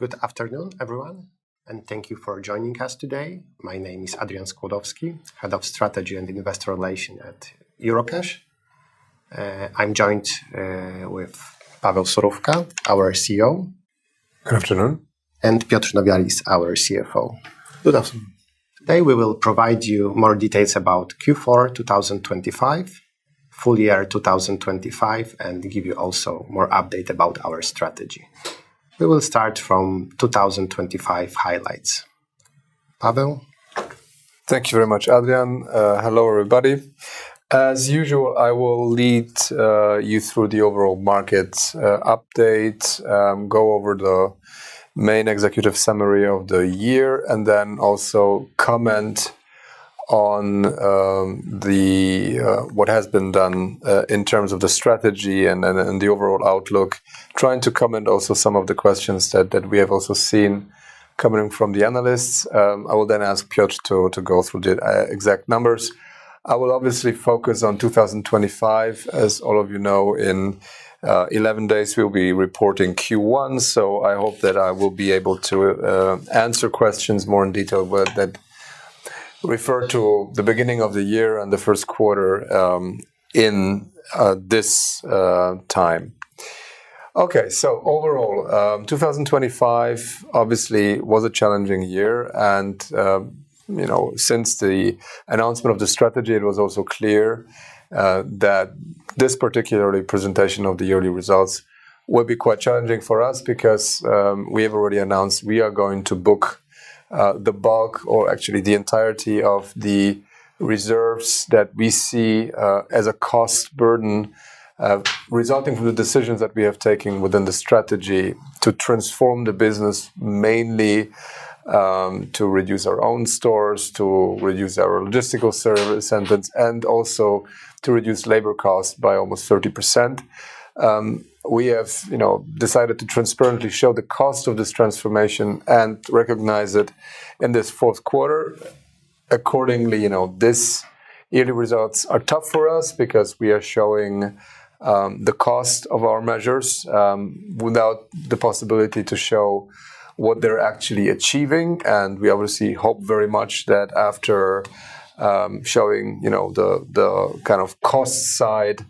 Good afternoon, everyone, and thank you for joining us today. My name is Adrian Skłodowski, Head of Strategy and Investor Relations at Eurocash. I'm joined with Paweł Surówka, our CEO. Good afternoon. Piotr Nowjalis, our CFO. Good afternoon. Today, we will provide you more details about Q4 2025, full year 2025, and give you also more update about our strategy. We will start from 2025 highlights. Paweł? Thank you very much, Adrian. Hello, everybody. As usual, I will lead you through the overall market update, go over the main executive summary of the year, also comment on what has been done in terms of the strategy and the overall outlook, trying to comment also some of the questions that we have also seen coming from the analysts. I will ask Piotr to go through the exact numbers. I will obviously focus on 2025. As all of you know, in 11 days, we will be reporting Q1, so I hope that I will be able to answer questions more in detail that refer to the beginning of the year and the first quarter in this time. Okay. Overall, 2025 obviously was a challenging year since the announcement of the strategy, it was also clear that this particular presentation of the yearly results would be quite challenging for us because we have already announced we are going to book the bulk or actually the entirety of the reserves that we see as a cost burden, resulting from the decisions that we have taken within the strategy to transform the business, mainly, to reduce our own stores, to reduce our logistical service centers, also to reduce labor costs by almost 30%. We have decided to transparently show the cost of this transformation and recognize it in this fourth quarter. Accordingly, these yearly results are tough for us because we are showing the cost of our measures without the possibility to show what they are actually achieving. We obviously hope very much that after showing the cost side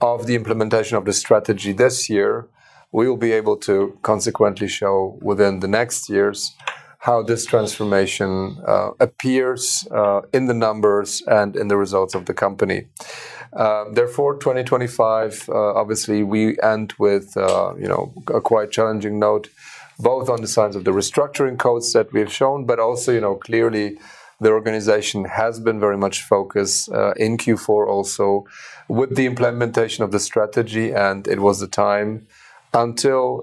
of the implementation of the strategy this year, we will be able to consequently show within the next years how this transformation appears in the numbers and in the results of the company. Therefore, 2025, obviously, we end with a quite challenging note, both on the sides of the restructuring costs that we have shown, clearly the organization has been very much focused in Q4 also with the implementation of the strategy, it was the time until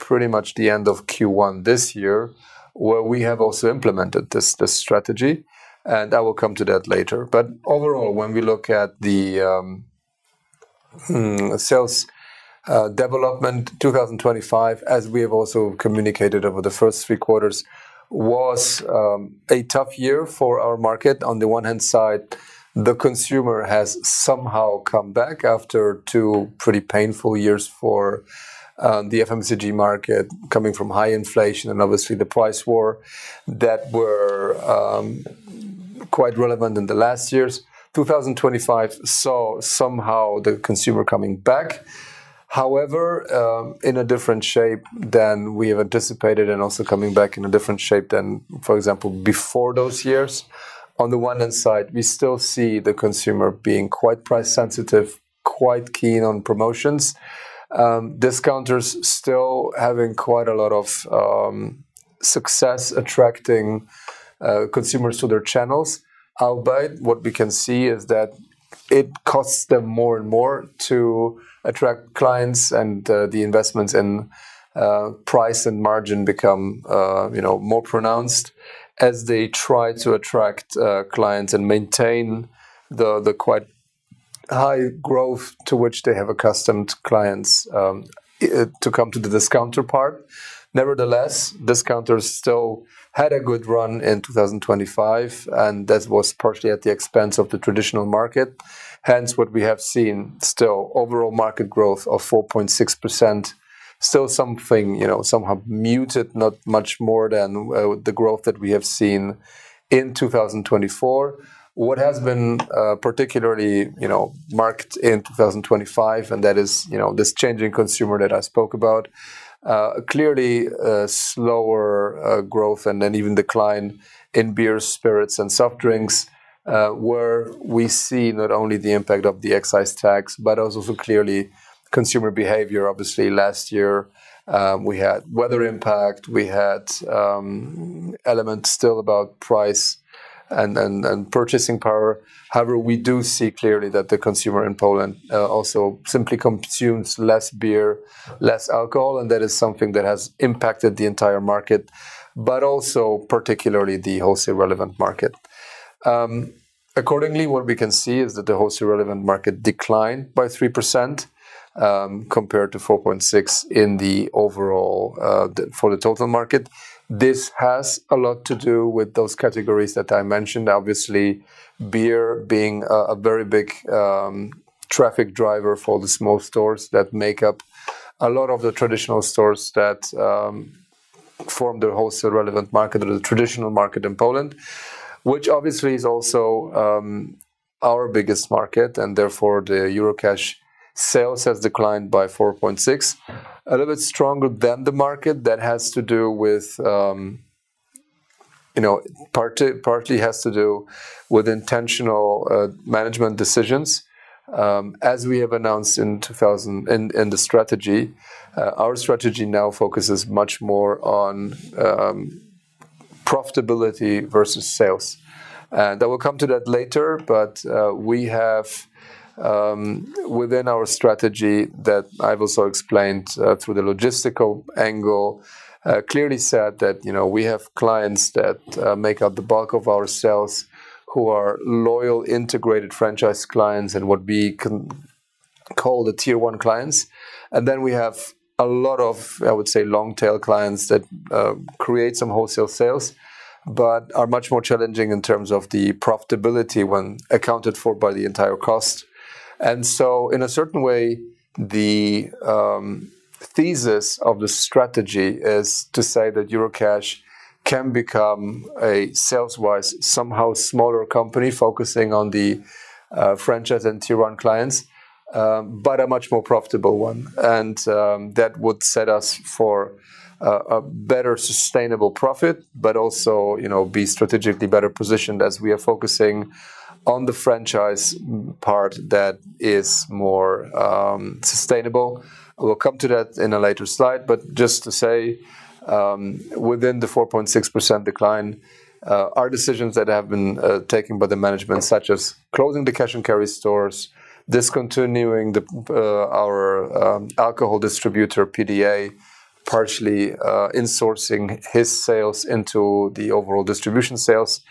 pretty much the end of Q1 this year, where we have also implemented this strategy, and I will come to that later. Overall, when we look at the sales development, 2025, as we have also communicated over the first three quarters, was a tough year for our market. On the one hand side, the consumer has somehow come back after two pretty painful years for the FMCG market, coming from high inflation and obviously the price war that were quite relevant in the last years. 2025 saw somehow the consumer coming back, however, in a different shape than we have anticipated and also coming back in a different shape than, for example, before those years. On the one hand side, we still see the consumer being quite price sensitive, quite keen on promotions. Discounters still having quite a lot of success attracting consumers to their channels. What we can see is that it costs them more and more to attract clients and the investments in price and margin become more pronounced as they try to attract clients and maintain the quite high growth to which they have accustomed clients to come to the discounter part. Nevertheless, discounters still had a good run in 2025, and that was partially at the expense of the traditional market. Hence, what we have seen still overall market growth of 4.6%, still something somehow muted, not much more than the growth that we have seen in 2024. What has been particularly marked in 2025, and that is this changing consumer that I spoke about, clearly a slower growth and an even decline in beer, spirits, and soft drinks, where we see not only the impact of the excise tax, but also clearly consumer behavior. Obviously, last year, we had weather impact, we had elements still about price and purchasing power. However, we do see clearly that the consumer in Poland also simply consumes less beer, less alcohol, and that is something that has impacted the entire market, but also particularly the wholesale relevant market. Accordingly, what we can see is that the wholesale relevant market declined by 3%, compared to 4.6% in the overall for the total market. This has a lot to do with those categories that I mentioned. Obviously, beer being a very big traffic driver for the small stores that make up a lot of the traditional stores that form the wholesale relevant market or the traditional market in Poland, which obviously is also our biggest market, and therefore the Eurocash sales has declined by 4.6%. A little bit stronger than the market, partly has to do with intentional management decisions. As we have announced in the strategy, our strategy now focuses much more on profitability versus sales. I will come to that later, but we have within our strategy that I've also explained through the logistical angle, clearly said that we have clients that make up the bulk of our sales who are loyal, integrated franchise clients and what we call the tier 1 clients. Then we have a lot of, I would say, long-tail clients that create some wholesale sales, but are much more challenging in terms of the profitability when accounted for by the entire cost. In a certain way, the thesis of the strategy is to say that Eurocash can become a sales-wise, somehow smaller company, focusing on the franchise and tier 1 clients, but a much more profitable one. That would set us for a better sustainable profit, but also be strategically better positioned as we are focusing on the franchise part that is more sustainable. We'll come to that in a later slide. Just to say, within the 4.6% decline, our decisions that have been taken by the management, such as closing the cash-and-carry stores, discontinuing our alcohol distributor, PDA, partially insourcing his sales into the overall distribution sales,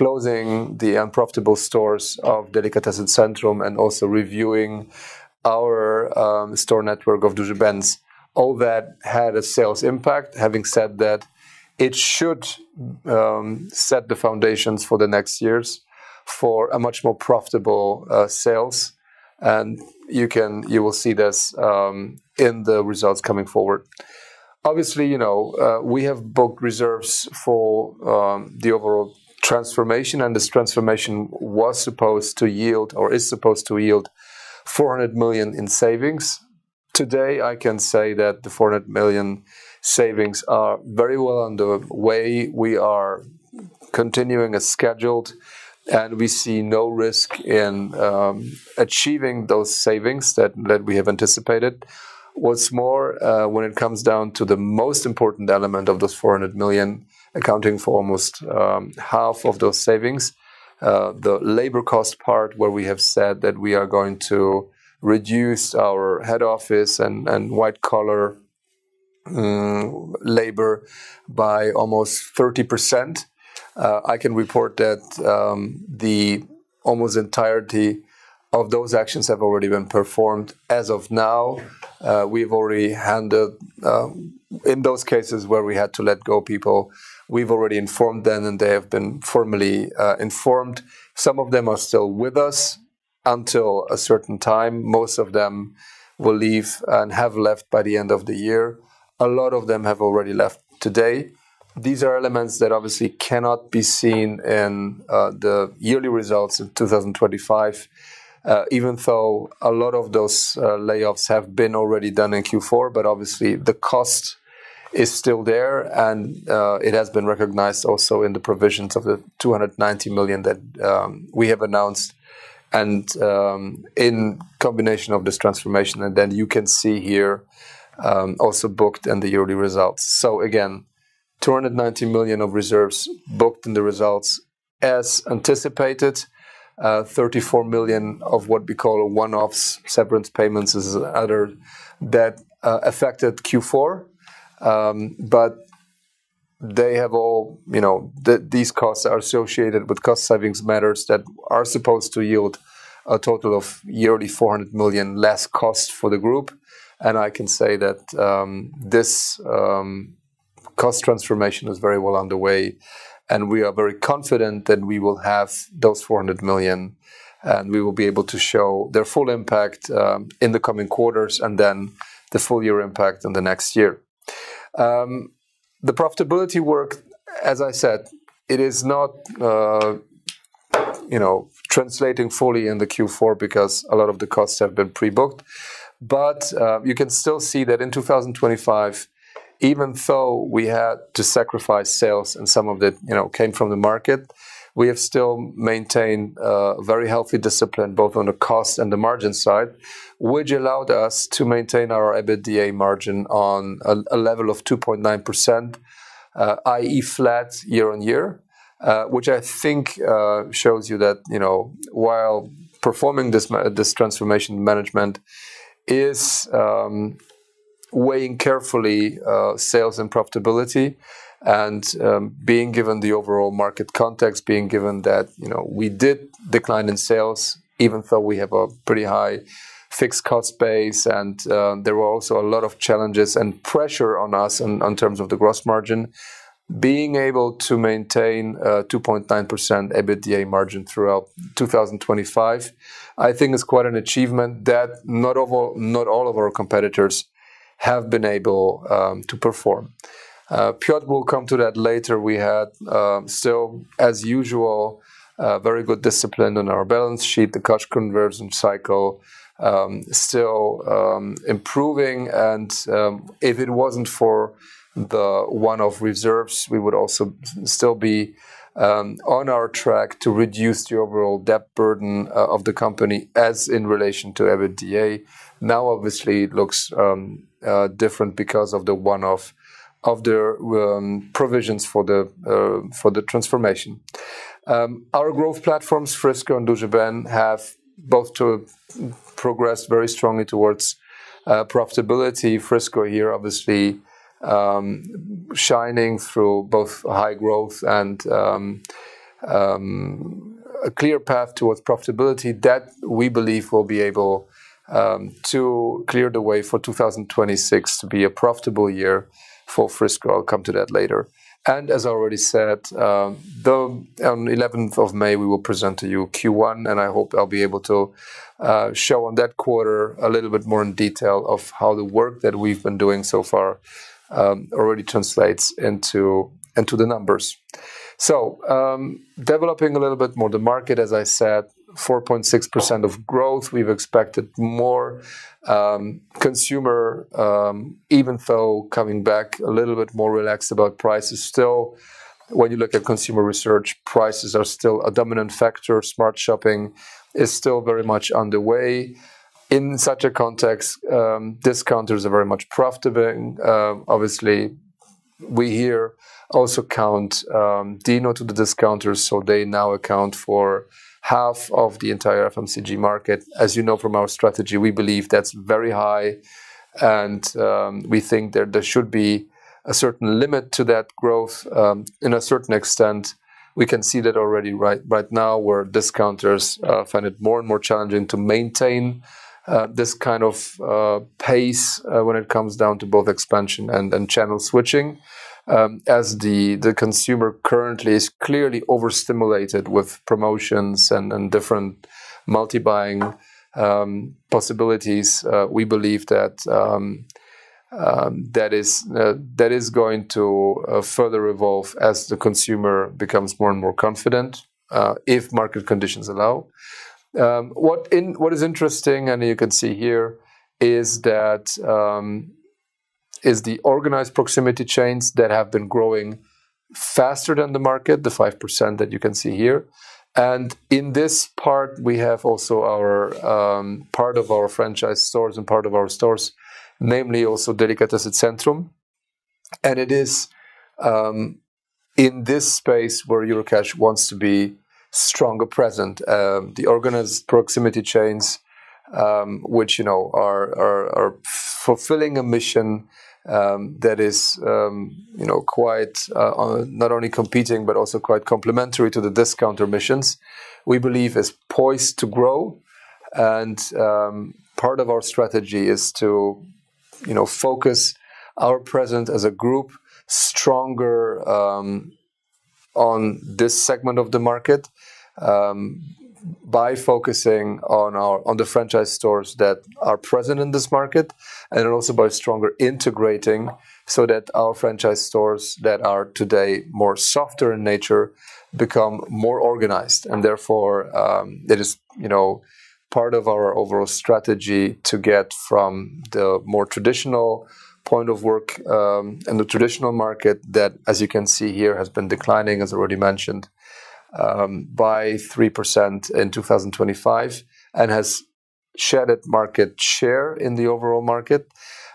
closing the unprofitable stores of Delikatesy Centrum, and also reviewing our store network of Żabka, all that had a sales impact. Having said that, it should set the foundations for the next years for a much more profitable sales, and you will see this in the results coming forward. Obviously, we have booked reserves for the overall transformation, and this transformation was supposed to yield or is supposed to yield 400 million in savings. Today, I can say that the 400 million savings are very well underway. We are continuing as scheduled. We see no risk in achieving those savings that we have anticipated. What's more, when it comes down to the most important element of those 400 million accounting for almost half of those savings, the labor cost part where we have said that we are going to reduce our head office and white-collar labor by almost 30%. I can report that the almost entirety of those actions have already been performed as of now. In those cases where we had to let go of people, we've already informed them, and they have been formally informed. Some of them are still with us until a certain time. Most of them will leave and have left by the end of the year. A lot of them have already left today. These are elements that obviously cannot be seen in the yearly results of 2025, even though a lot of those layoffs have been already done in Q4. Obviously, the cost is still there, and it has been recognized also in the provisions of the 290 million that we have announced, in combination of this transformation, you can see here, also booked in the yearly results. Again, 290 million of reserves booked in the results as anticipated, 34 million of what we call one-offs, severance payments is other that affected Q4. These costs are associated with cost savings matters that are supposed to yield a total of yearly 400 million less cost for the group. I can say that this cost transformation is very well underway. We are very confident that we will have those 400 million, we will be able to show their full impact in the coming quarters and the full-year impact in the next year. The profitability work, as I said, it is not translating fully in the Q4 because a lot of the costs have been pre-booked. You can still see that in 2025, even though we had to sacrifice sales and some of it came from the market, we have still maintained a very healthy discipline, both on the cost and the margin side, which allowed us to maintain our EBITDA margin on a level of 2.9%, i.e., flat year-over-year, which I think shows you that while performing this transformation management is weighing carefully sales and profitability and being given the overall market context, being given that we did decline in sales, even though we have a pretty high fixed cost base, and there were also a lot of challenges and pressure on us in terms of the gross margin. Being able to maintain a 2.9% EBITDA margin throughout 2025, I think is quite an achievement that not all of our competitors have been able to perform. Piotr will come to that later. We had, still as usual, very good discipline on our balance sheet. The cash conversion cycle still improving. If it wasn't for the one-off reserves, we would also still be on our track to reduce the overall debt burden of the company as in relation to EBITDA. Now, obviously, it looks different because of the one-off of their provisions for the transformation. Our growth platforms, Frisco and Dzieciom have both progressed very strongly towards profitability. Frisco here obviously shining through both high growth and a clear path towards profitability that we believe will be able to clear the way for 2026 to be a profitable year for Frisco. I'll come to that later. As I already said, on the 11th of May, we will present to you Q1, and I hope I'll be able to show on that quarter a little bit more in detail of how the work that we've been doing so far already translates into the numbers. So, developing a little bit more the market, as I said, 4.6% of growth. We've expected more consumer, even though coming back a little bit more relaxed about prices. Still, when you look at consumer research, prices are still a dominant factor. Smart shopping is still very much underway. In such a context, discounters are very much profitable. Obviously, we here also count Dino to the discounters, so they now account for half of the entire FMCG market. As you know from our strategy, we believe that's very high, and we think that there should be a certain limit to that growth. In a certain extent, we can see that already right now, where discounters find it more and more challenging to maintain this kind of pace when it comes down to both expansion and channel switching, as the consumer currently is clearly overstimulated with promotions and different multi-buying possibilities. We believe that is going to further evolve as the consumer becomes more and more confident, if market conditions allow. What is interesting, and you can see here, is the organized proximity chains that have been growing faster than the market, the 5% that you can see here. In this part, we have also part of our franchise stores and part of our stores, namely also Delikatesy Centrum. It is in this space where Eurocash wants to be stronger present. The organized proximity chains, which are fulfilling a mission that is not only competing but also quite complementary to the discounter missions, we believe is poised to grow. Part of our strategy is to focus our presence as a group stronger on this segment of the market, by focusing on the franchise stores that are present in this market and also by stronger integrating so that our franchise stores that are today more softer in nature become more organized. Therefore, it is part of our overall strategy to get from the more traditional point of work and the traditional market that, as you can see here, has been declining, as already mentioned, by 3% in 2025 and has shed its market share in the overall market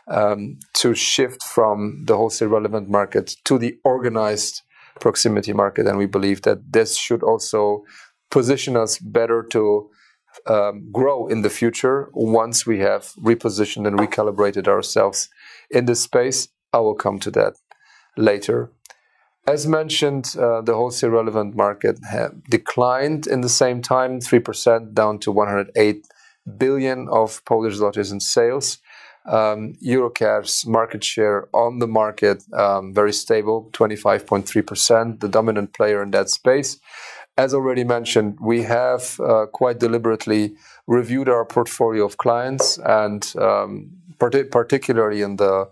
to shift from the wholesale relevant market to the organized proximity market. We believe that this should also position us better to grow in the future once we have repositioned and recalibrated ourselves in this space. I will come to that later. As mentioned, the wholesale relevant market declined in the same time, 3% down to 108 billion in sales. Eurocash's market share on the market, very stable, 25.3%, the dominant player in that space. As already mentioned, we have quite deliberately reviewed our portfolio of clients and, particularly in the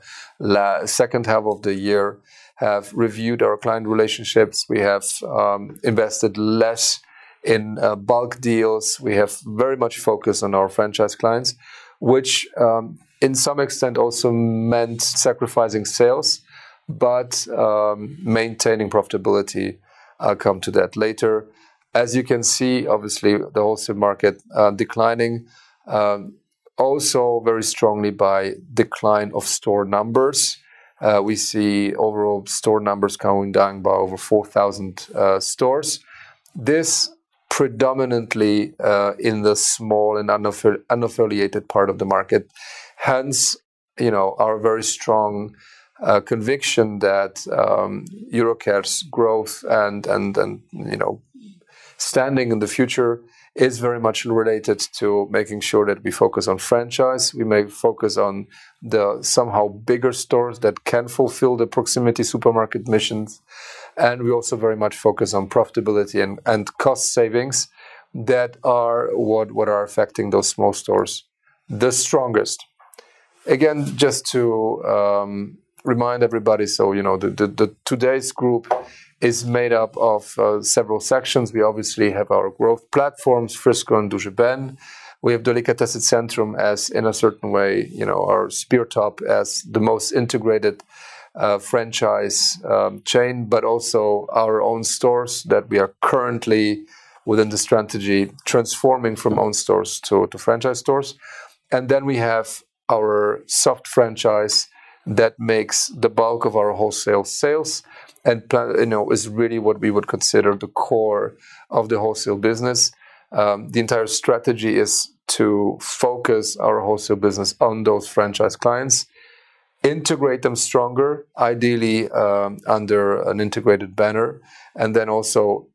second half of the year, have reviewed our client relationships. We have invested less in bulk deals. We have very much focused on our franchise clients, which in some extent also meant sacrificing sales but maintaining profitability. I will come to that later. As you can see, obviously, the wholesale market declining also very strongly by decline of store numbers. We see overall store numbers going down by over 4,000 stores. This predominantly in the small and unaffiliated part of the market. Hence, our very strong conviction that Eurocash's growth and standing in the future is very much related to making sure that we focus on franchise. We may focus on the somehow bigger stores that can fulfill the proximity supermarket missions, and we also very much focus on profitability and cost savings that are what are affecting those small stores the strongest. Again, just to remind everybody, today's group is made up of several sections. We obviously have our growth platforms, Frisco and Duży Ben. We have Delikatesy Centrum as, in a certain way, our spearhead as the most integrated franchise chain, but also our own stores that we are currently, within the strategy, transforming from owned stores to franchise stores. Then we have our soft franchise that makes the bulk of our wholesale sales and is really what we would consider the core of the wholesale business. The entire strategy is to focus our wholesale business on those franchise clients, integrate them stronger, ideally under an integrated banner, then also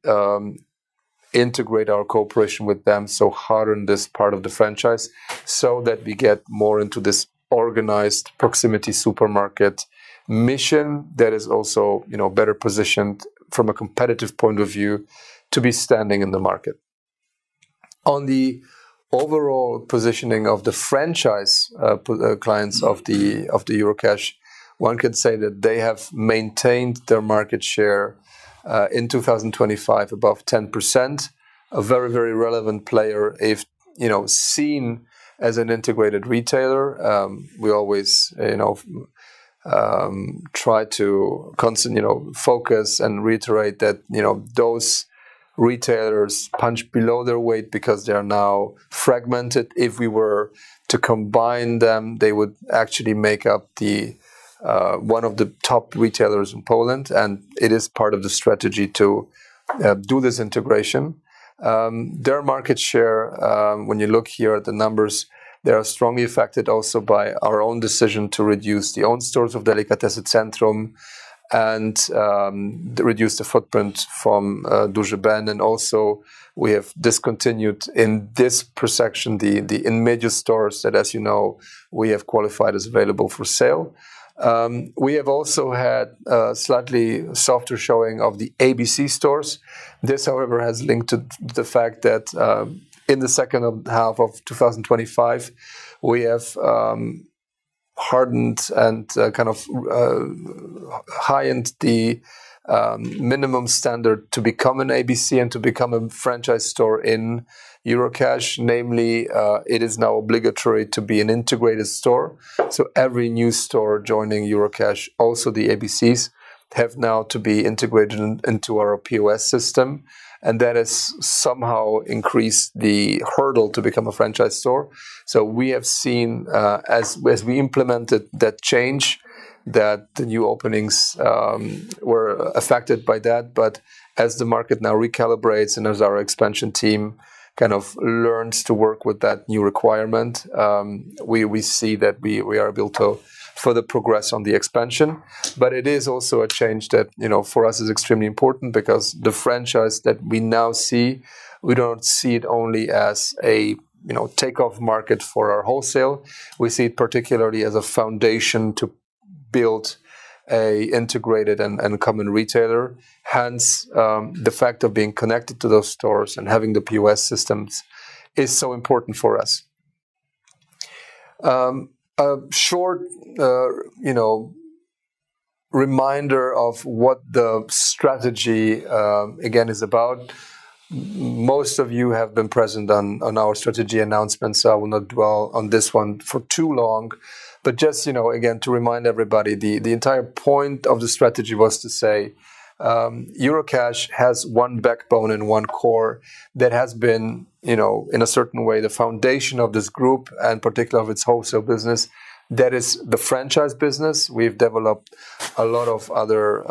integrate our cooperation with them, so harden this part of the franchise so that we get more into this organized proximity supermarket mission that is also better positioned from a competitive point of view to be standing in the market. On the overall positioning of the franchise clients of Eurocash, one could say that they have maintained their market share in 2025 above 10%. A very relevant player if seen as an integrated retailer. We always try to constantly focus and reiterate that those retailers punch below their weight because they are now fragmented. If we were to combine them, they would actually make up one of the top retailers in Poland, and it is part of the strategy to do this integration. Their market share, when you look here at the numbers, they are strongly affected also by our own decision to reduce the owned stores of Delikatesy Centrum and reduce the footprint from Duży Ben. Also we have discontinued in this section, the Inmedio stores that, as you know, we have qualified as available for sale. We have also had a slightly softer showing of the abc stores. This, however, has linked to the fact that in the second half of 2025, we have hardened and high-ended the minimum standard to become an abc and to become a franchise store in Eurocash, namely, it is now obligatory to be an integrated store. Every new store joining Eurocash, also the abc's, have now to be integrated into our POS system, and that has somehow increased the hurdle to become a franchise store. We have seen, as we implemented that change, that the new openings were affected by that. As the market now recalibrates and as our expansion team learns to work with that new requirement, we see that we are built to further progress on the expansion. It is also a change that, for us, is extremely important because the franchise that we now see, we don't see it only as a takeoff market for our wholesale. We see it particularly as a foundation to build an integrated and common retailer. Hence, the fact of being connected to those stores and having the POS systems is so important for us. A short reminder of what the strategy again is about. Most of you have been present on our strategy announcement, so I will not dwell on this one for too long. Just, again, to remind everybody, the entire point of the strategy was to say Eurocash has one backbone and one core that has been, in a certain way, the foundation of this group and particularly of its wholesale business. That is the franchise business. We've developed a lot of other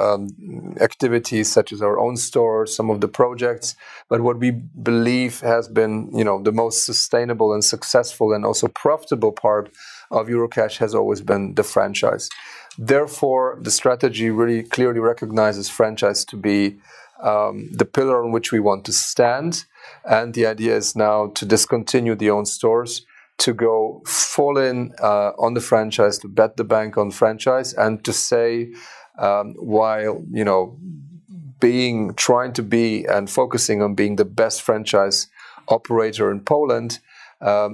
activities, such as our own stores, some of the projects. What we believe has been the most sustainable and successful and also profitable part of Eurocash has always been the franchise. Therefore, the strategy really clearly recognizes franchise to be the pillar on which we want to stand. The idea is now to discontinue the owned stores, to go full in on the franchise, to bet the bank on franchise, and to say while trying to be and focusing on being the best franchise operator in Poland,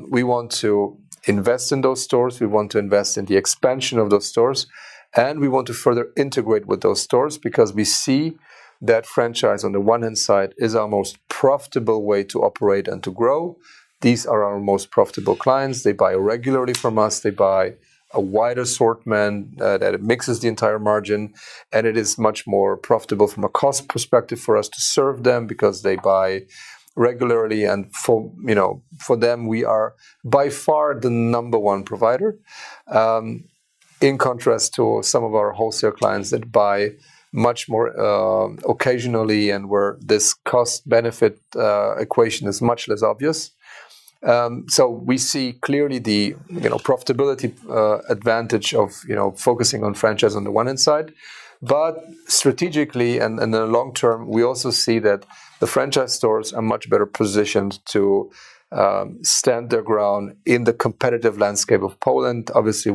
we want to invest in those stores, we want to invest in the expansion of those stores, and we want to further integrate with those stores because we see that franchise, on the one hand side, is our most profitable way to operate and to grow. These are our most profitable clients. They buy regularly from us. They buy a wide assortment that it mixes the entire margin, and it is much more profitable from a cost perspective for us to serve them because they buy regularly, and for them, we are by far the number one provider. We see clearly the profitability advantage of focusing on franchise on the one hand side, but strategically and in the long term, we also see that the franchise stores are much better positioned to stand their ground in the competitive landscape of Poland.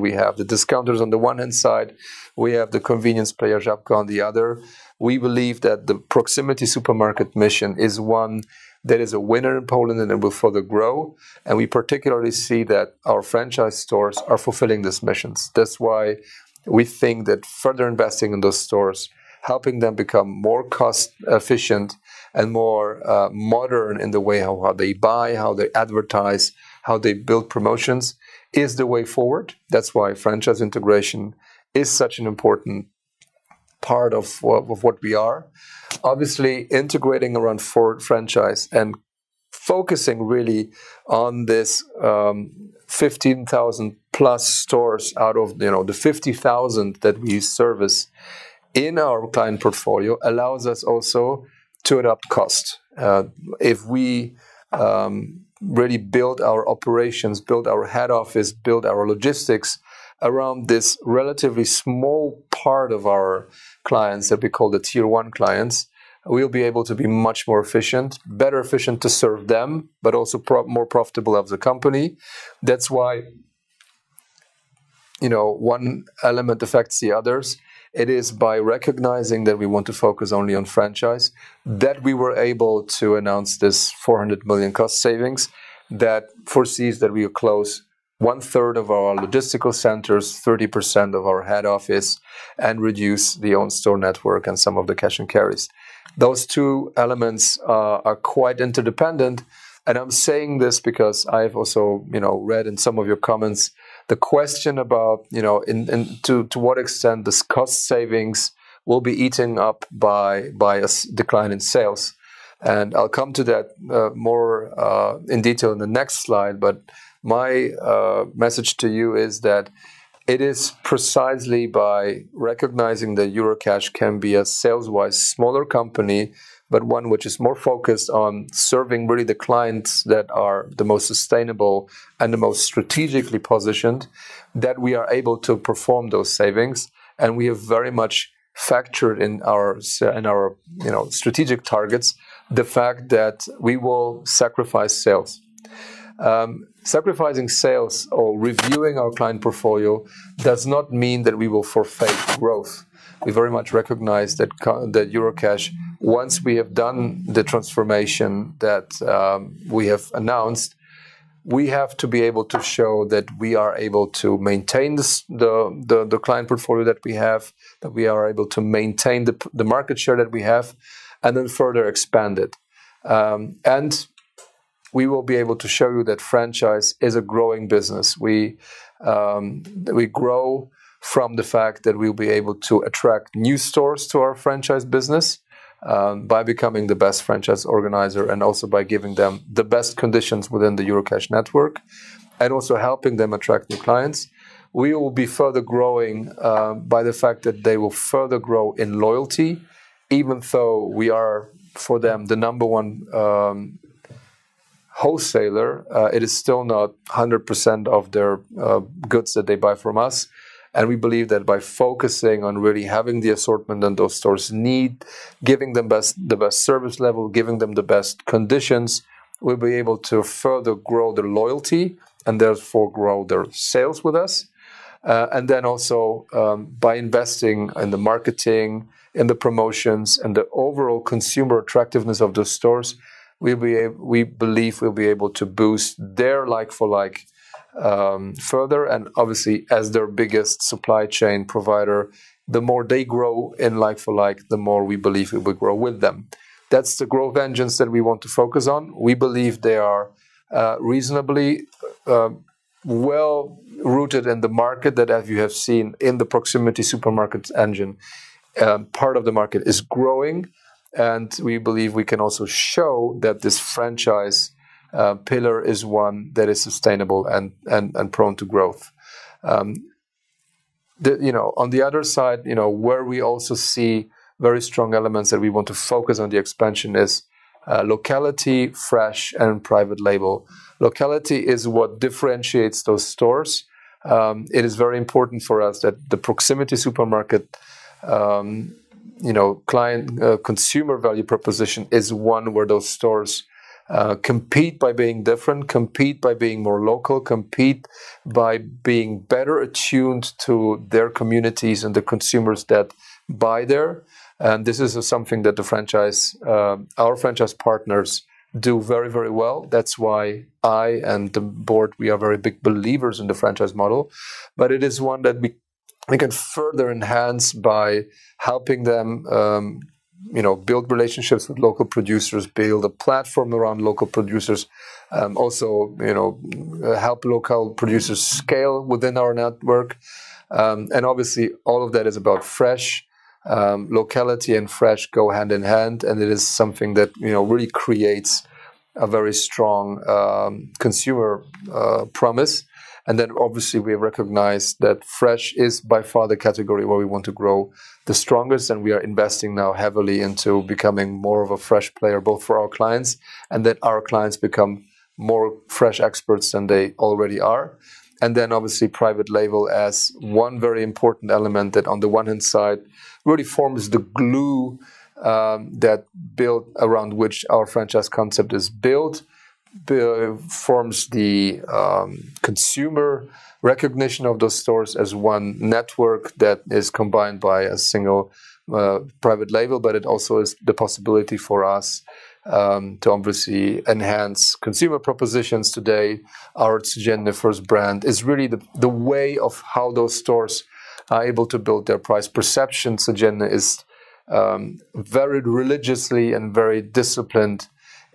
We have the discounters on the one hand side, we have the convenience player, Żabka, on the other. We believe that the proximity supermarket mission is one that is a winner in Poland, and it will further grow. We particularly see that our franchise stores are fulfilling these missions. That's why we think that further investing in those stores, helping them become more cost-efficient and more modern in the way how they buy, how they advertise, how they build promotions, is the way forward. That's why franchise integration is such an important part of what we are. Integrating around franchise and focusing really on this 15,000 plus stores out of the 50,000 that we service in our client portfolio allows us also to adapt cost. If we really build our operations, build our head office, build our logistics around this relatively small part of our clients that we call the tier 1 clients, we'll be able to be much more efficient, better efficient to serve them, but also more profitable as a company. That's why one element affects the others. It is by recognizing that we want to focus only on franchise that we were able to announce this 400 million cost savings that foresees that we will close one-third of our logistical centers, 30% of our head office, and reduce the own store network and some of the cash and carries. Those two elements are quite interdependent, and I'm saying this because I've also read in some of your comments the question about, to what extent this cost savings will be eaten up by a decline in sales. I'll come to that more in detail in the next slide. My message to you is that it is precisely by recognizing that Eurocash can be a sales-wise smaller company, but one which is more focused on serving really the clients that are the most sustainable and the most strategically positioned, that we are able to perform those savings. We have very much factored in our strategic targets the fact that we will sacrifice sales. Sacrificing sales or reviewing our client portfolio does not mean that we will forfeit growth. We very much recognize that Eurocash, once we have done the transformation that we have announced, we have to be able to show that we are able to maintain the client portfolio that we have, that we are able to maintain the market share that we have, and then further expand it. We will be able to show you that franchise is a growing business. We grow from the fact that we'll be able to attract new stores to our franchise business by becoming the best franchise organizer and also by giving them the best conditions within the Eurocash network and also helping them attract new clients. We will be further growing by the fact that they will further grow in loyalty. Even though we are, for them, the number one wholesaler, it is still not 100% of their goods that they buy from us. We believe that by focusing on really having the assortment that those stores need, giving them the best service level, giving them the best conditions, we'll be able to further grow their loyalty and therefore grow their sales with us. Also, by investing in the marketing and the promotions and the overall consumer attractiveness of those stores, we believe we'll be able to boost their like-for-like further. Obviously, as their biggest supply chain provider, the more they grow in like-for-like, the more we believe we will grow with them. That's the growth engines that we want to focus on. We believe they are reasonably well-rooted in the market that, as you have seen, in the proximity supermarkets engine, part of the market is growing. We believe we can also show that this franchise pillar is one that is sustainable and prone to growth. On the other side, where we also see very strong elements that we want to focus on the expansion is locality, fresh, and private label. Locality is what differentiates those stores. It is very important for us that the proximity supermarket consumer value proposition is one where those stores compete by being different, compete by being more local, compete by being better attuned to their communities and the consumers that buy there. This is something that our franchise partners do very well. That's why I and the board, we are very big believers in the franchise model. It is one that we can further enhance by helping them build relationships with local producers, build a platform around local producers, also help local producers scale within our network. Obviously, all of that is about fresh. Locality and fresh go hand in hand, and it is something that really creates a very strong consumer promise. Obviously, we recognize that fresh is by far the category where we want to grow the strongest, and we are investing now heavily into becoming more of a fresh player, both for our clients, and that our clients become more fresh experts than they already are. Obviously, private label as one very important element that on the one hand side, really forms the glue that built around which our franchise concept is built, forms the consumer recognition of those stores as one network that is combined by a single private label, but it also is the possibility for us to obviously enhance consumer propositions today. Our Cedena first brand is really the way of how those stores are able to build their price perception. Cedena is varied religiously and very disciplined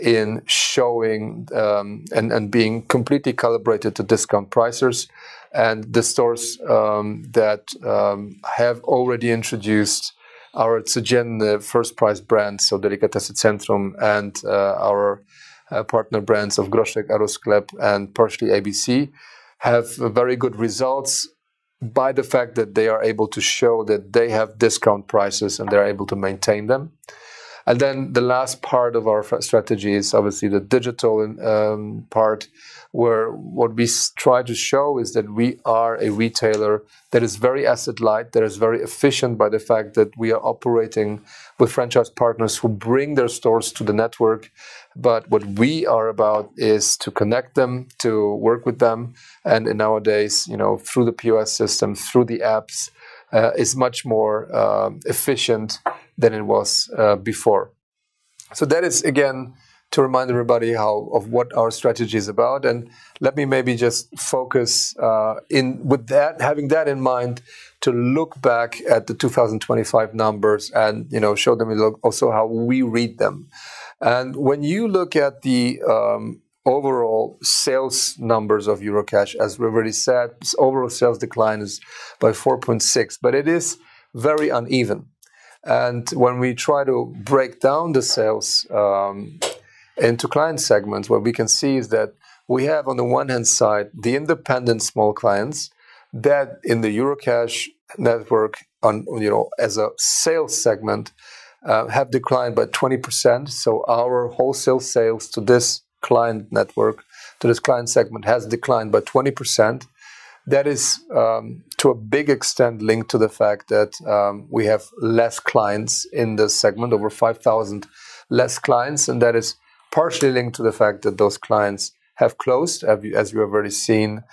in showing and being completely calibrated to discount pricers. The stores that have already introduced our Cedena first price brand, so Delikatesy Centrum and our partner brands of Groszek, Eurosklep, and partially abc, have very good results by the fact that they are able to show that they have discount prices, and they're able to maintain them. The last part of our strategy is obviously the digital part, where what we try to show is that we are a retailer that is very asset light, that is very efficient by the fact that we are operating with franchise partners who bring their stores to the network. What we are about is to connect them, to work with them, and in nowadays, through the POS system, through the apps, is much more efficient than it was before. That is, again, to remind everybody of what our strategy is about, and let me maybe just focus with having that in mind, to look back at the 2025 numbers and show them also how we read them. When you look at the overall sales numbers of Eurocash, as we've already said, overall sales decline is by 4.6%, but it is very uneven. When we try to break down the sales into client segments, what we can see is that we have, on the one hand side, the independent small clients that in the Eurocash network as a sales segment, have declined by 20%. Our wholesale sales to this client network, to this client segment, has declined by 20%. That is, to a big extent, linked to the fact that we have less clients in this segment, over 5,000 less clients, and that is partially linked to the fact that those clients have closed. As we have already seen,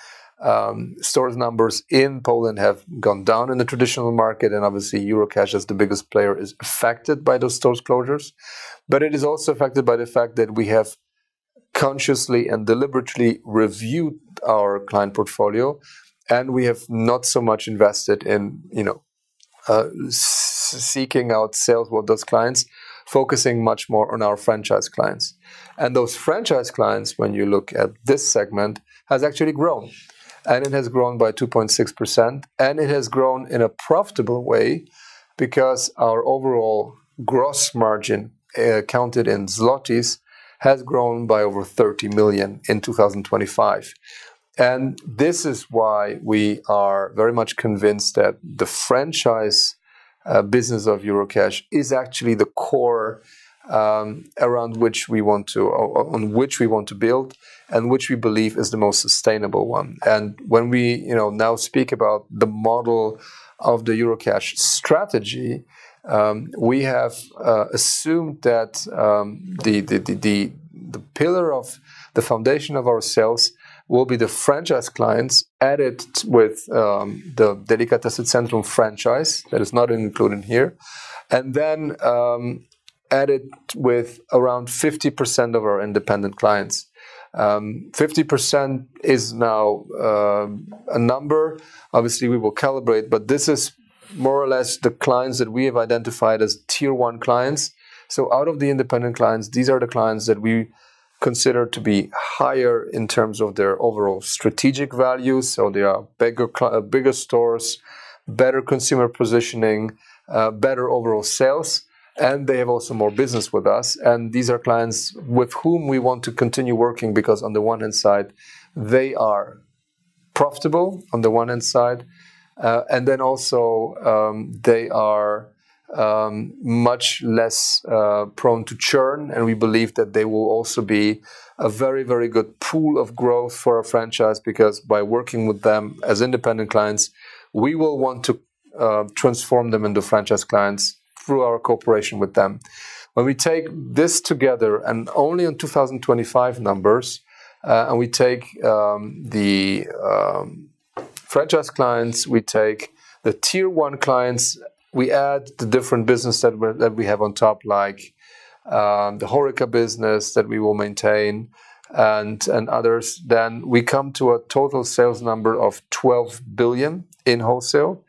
stores numbers in Poland have gone down in the traditional market, and obviously Eurocash as the biggest player is affected by those stores closures. It is also affected by the fact that we have consciously and deliberately reviewed our client portfolio, we have not so much invested in seeking out sales with those clients, focusing much more on our franchise clients. Those franchise clients, when you look at this segment, has actually grown. It has grown by 2.6%, and it has grown in a profitable way because our overall gross margin, counted in PLN, has grown by over 30 million in 2025. This is why we are very much convinced that the franchise business of Eurocash is actually the core on which we want to build and which we believe is the most sustainable one. When we now speak about the model of the Eurocash strategy, we have assumed that the pillar of the foundation of our sales will be the franchise clients, added with the Delikatesy Centrum franchise, that is not included here. Added with around 50% of our independent clients. 50% is now a number. Obviously, we will calibrate, but this is more or less the clients that we have identified as tier 1 clients. Out of the independent clients, these are the clients that we consider to be higher in terms of their overall strategic value. They are bigger stores, better consumer positioning, better overall sales, and they have also more business with us. These are clients with whom we want to continue working because on the one hand side, they are profitable on the one hand side, they are much less prone to churn, and we believe that they will also be a very, very good pool of growth for our franchise, because by working with them as independent clients, we will want to transform them into franchise clients through our cooperation with them. When we take this together, only on 2025 numbers, we take the franchise clients, we take the tier 1 clients, we add the different business that we have on top, like the HORECA business that we will maintain and others, we come to a total sales number of 12 billion in wholesale.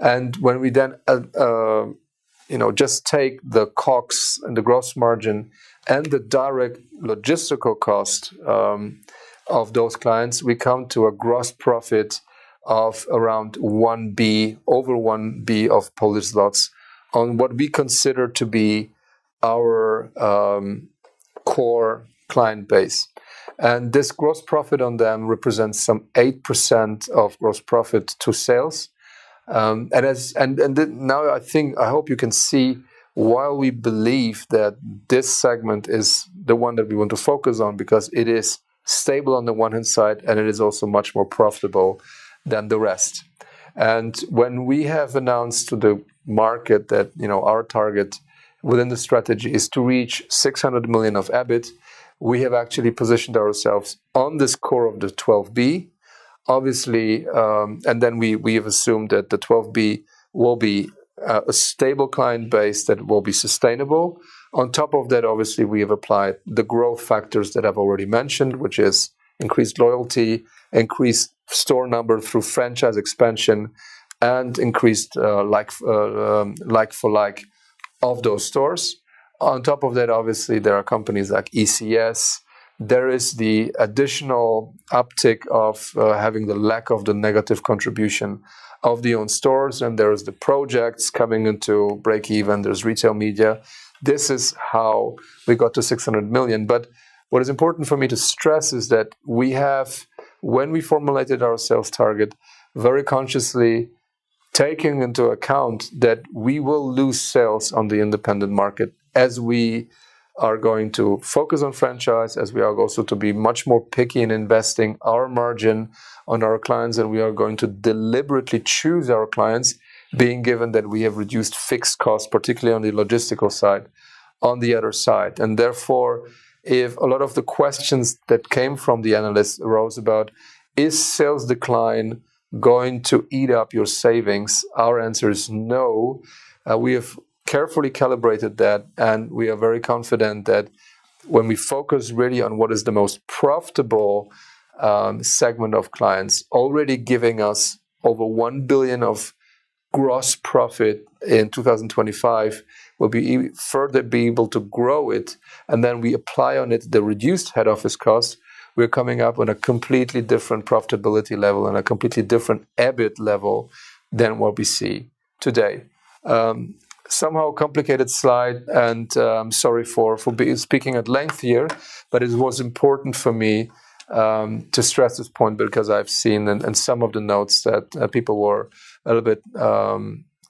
When we just take the COGS and the gross margin and the direct logistical cost of those clients, we come to a gross profit of around over 1 billion on what we consider to be our core client base. This gross profit on them represents some 8% of gross profit to sales. Now I hope you can see why we believe that this segment is the one that we want to focus on, because it is stable on the one hand side, and it is also much more profitable than the rest. When we have announced to the market that our target within the strategy is to reach 600 million of EBIT, we have actually positioned ourselves on this core of the 12 billion. We have assumed that the 12 billion will be a stable client base that will be sustainable. On top of that, obviously, we have applied the growth factors that I've already mentioned, which is increased loyalty, increased store numbers through franchise expansion, and increased like-for-like of those stores. On top of that, obviously, there are companies like ECS. There is the additional uptick of having the lack of the negative contribution of the own stores, and there is the projects coming into breakeven. There is retail media. This is how we got to 600 million. What is important for me to stress is that we have, when we formulated our sales target, very consciously taken into account that we will lose sales on the independent market as we are going to focus on franchise, as we are also to be much more picky in investing our margin on our clients, and we are going to deliberately choose our clients, being given that we have reduced fixed costs, particularly on the logistical side, on the other side. Therefore, if a lot of the questions that came from the analysts arose about, is sales decline going to eat up your savings? Our answer is no. We have carefully calibrated that, and we are very confident that when we focus really on what is the most profitable segment of clients, already giving us over 1 billion of gross profit in 2025, we will be further able to grow it, and then we apply on it the reduced head office cost. We are coming up on a completely different profitability level and a completely different EBIT level than what we see today. Somehow a complicated slide, and I am sorry for speaking at length here, but it was important for me to stress this point because I have seen in some of the notes that people were a little bit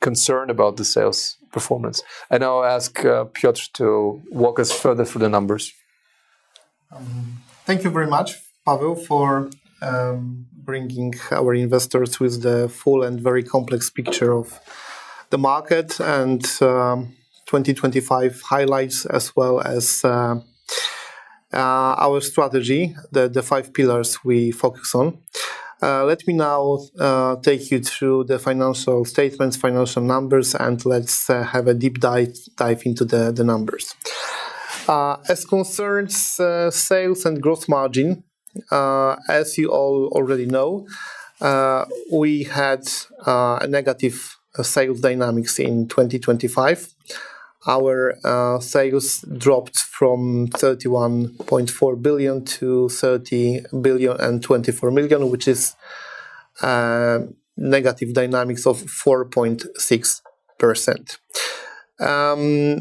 concerned about the sales performance. I will ask Piotr to walk us further through the numbers. Thank you very much, Paweł, for bringing our investors with the full and very complex picture of the market and 2025 highlights, as well as our strategy, the five pillars we focus on. Let me now take you through the financial statements, financial numbers, and let us have a deep dive into the numbers. As concerns sales and growth margin, as you all already know, we had a negative sales dynamics in 2025. Our sales dropped from 31.4 billion to 30 billion and 24 million, which is negative dynamics of 4.6%.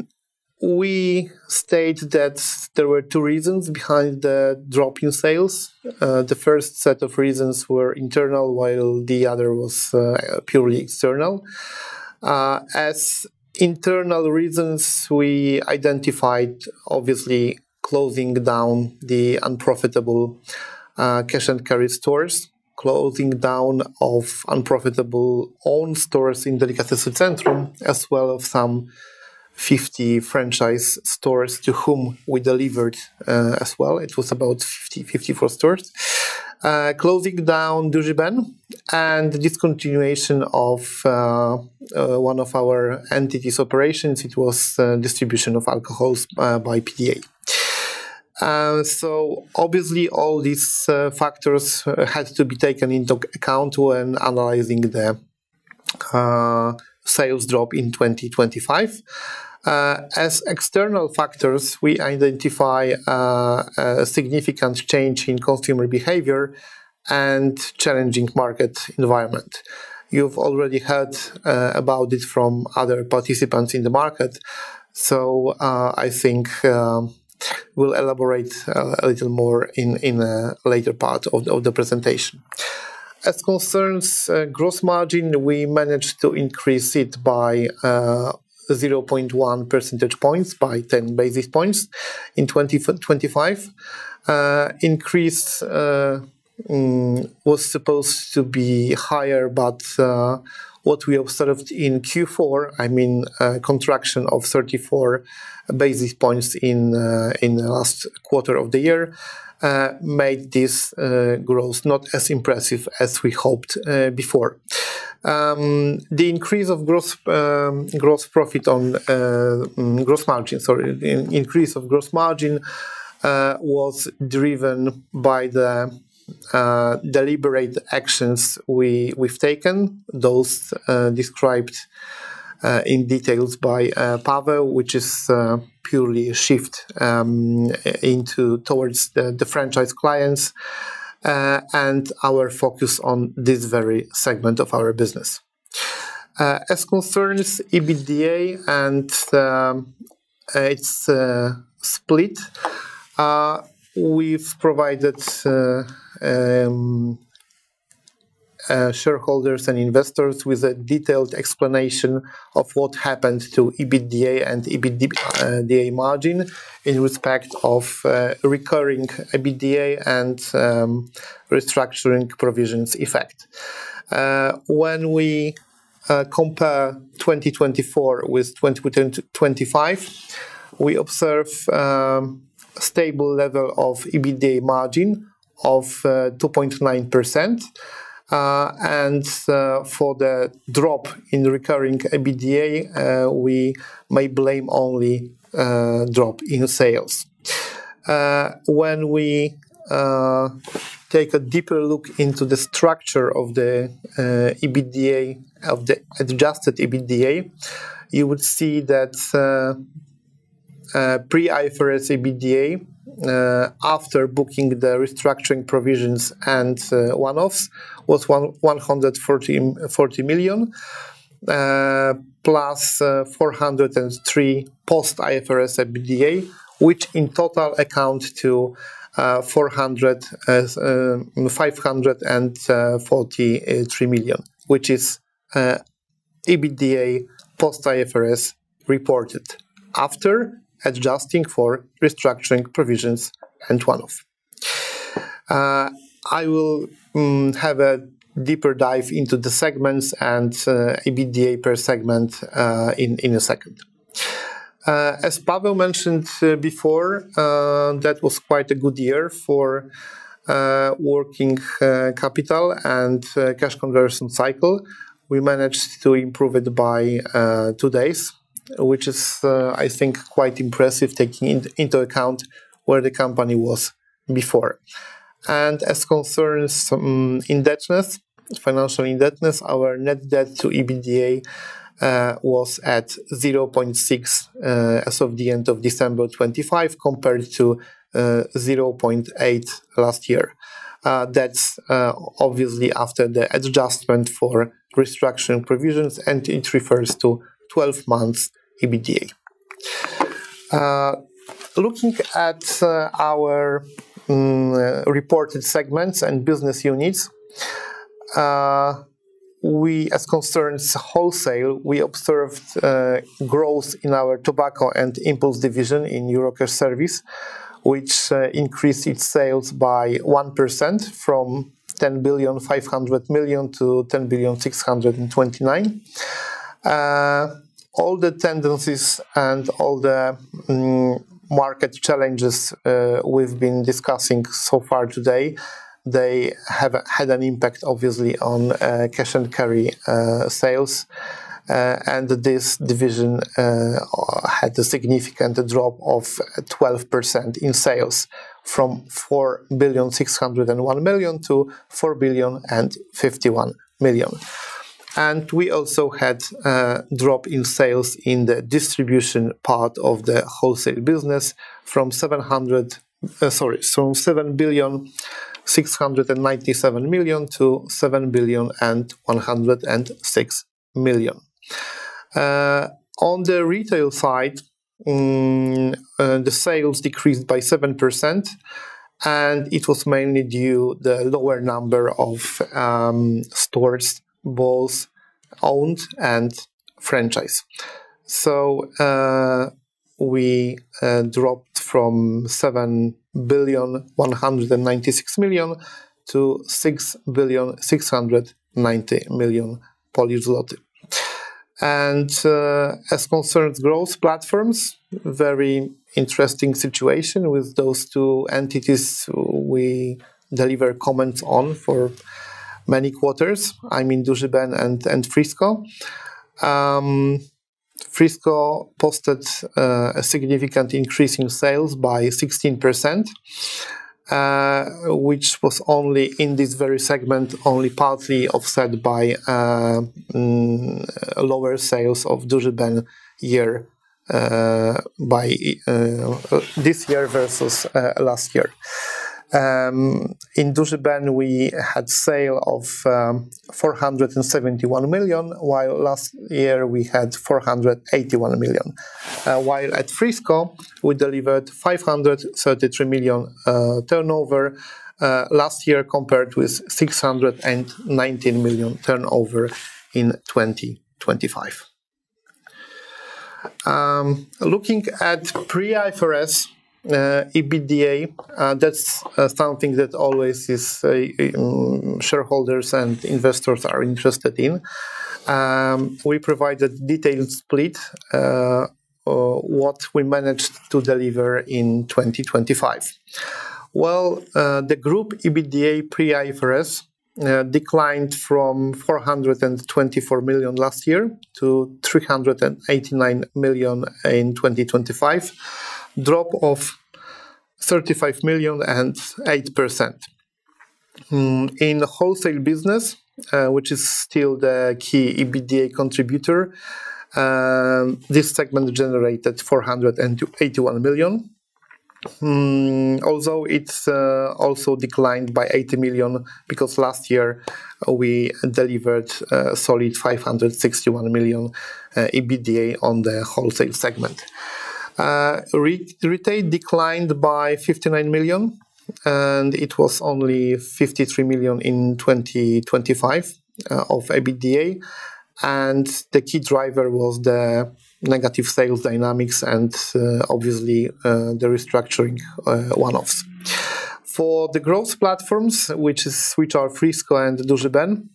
We state that there were two reasons behind the drop in sales. The first set of reasons were internal, while the other was purely external. As internal reasons, we identified, obviously, closing down the unprofitable cash-and-carry stores, closing down of unprofitable own stores in Delikatesy Centrum, as well as some 50 franchise stores to whom we delivered as well. It was about 54 stores. Closing down Duży Ben, and discontinuation of one of our entity's operations. It was distribution of alcohols by PDA. Obviously, all these factors had to be taken into account when analyzing the sales drop in 2025. As external factors, we identify a significant change in consumer behavior and challenging market environment. You have already heard about it from other participants in the market, so I think we will elaborate a little more in a later part of the presentation. As concerns growth margin, we managed to increase it by 0.1 percentage points by 10 basis points in 2025. Increase was supposed to be higher, but what we observed in Q4, I mean a contraction of 34 basis points in the last quarter of the year, made this growth not as impressive as we hoped before. The increase of gross margin was driven by the deliberate actions we have taken. Those described in details by Paweł, which is purely a shift towards the franchise clients, and our focus on this very segment of our business. As concerns EBITDA and its split, we have provided shareholders and investors with a detailed explanation of what happened to EBITDA and EBITDA margin in respect of recurring EBITDA and restructuring provisions effect. When we compare 2024 with 2025, we observe a stable level of EBITDA margin of 2.9%, and for the drop in recurring EBITDA, we may blame only drop in sales. When we take a deeper look into the structure of the adjusted EBITDA, you would see that pre-IFRS EBITDA, after booking the restructuring provisions and one-offs, was 140 million, plus 403 post-IFRS EBITDA, which in total accounts to 543 million, which is EBITDA post-IFRS reported after adjusting for restructuring provisions and one-offs. I will have a deeper dive into the segments and EBITDA per segment in a second. As Paweł mentioned before, that was quite a good year for working capital and cash conversion cycle. We managed to improve it by two days, which is, I think, quite impressive, taking into account where the company was before. As concerns financial indebtedness, our net debt to EBITDA was at 0.6x as of the end of December 2025, compared to 0.8x last year. That's obviously after the adjustment for restructuring provisions, and it refers to 12 months EBITDA. Looking at our reported segments and business units, as concerns Wholesale, we observed growth in our tobacco and impulse division in Eurocash Serwis, which increased its sales by 1%, from 10.5 billion to 10.629 billion. All the tendencies and all the market challenges we've been discussing so far today, they have had an impact, obviously, on cash-and-carry sales. This division had a significant drop of 12% in sales, from 4.601 billion to 4.051 billion. We also had a drop in sales in the distribution part of the Wholesale business from 7.697 billion to 7.106 billion. On the Retail side, the sales decreased by 7%, and it was mainly due the lower number of stores, both owned and franchise. So we dropped from 7.196 billion to 6.690 billion. As concerns Growth Platforms, very interesting situation with those two entities we deliver comments on for many quarters, I mean Duży Ben and Frisco. Frisco posted a significant increase in sales by 16%, which was only in this very segment, only partly offset by lower sales of Duży Ben this year versus last year. In Duży Ben, we had sale of 471 million, while last year we had 481 million. While at Frisco, we delivered 533 million turnover last year compared with 619 million turnover in 2025. Looking at pre-IFRS EBITDA, that's something that always shareholders and investors are interested in. We provided detailed split what we managed to deliver in 2025. Well, the Group EBITDA pre-IFRS declined from 424 million last year to 389 million in 2025, a drop of 35 million and 8%. In the Wholesale business, which is still the key EBITDA contributor, this segment generated 481 million. It's also declined by 80 million because last year we delivered a solid 561 million EBITDA on the Wholesale segment. Retail declined by 59 million, and it was only 53 million in 2025 of EBITDA. And the key driver was the negative sales dynamics and obviously, the restructuring one-offs. For the Growth Platforms, which are Frisco and Duży Ben,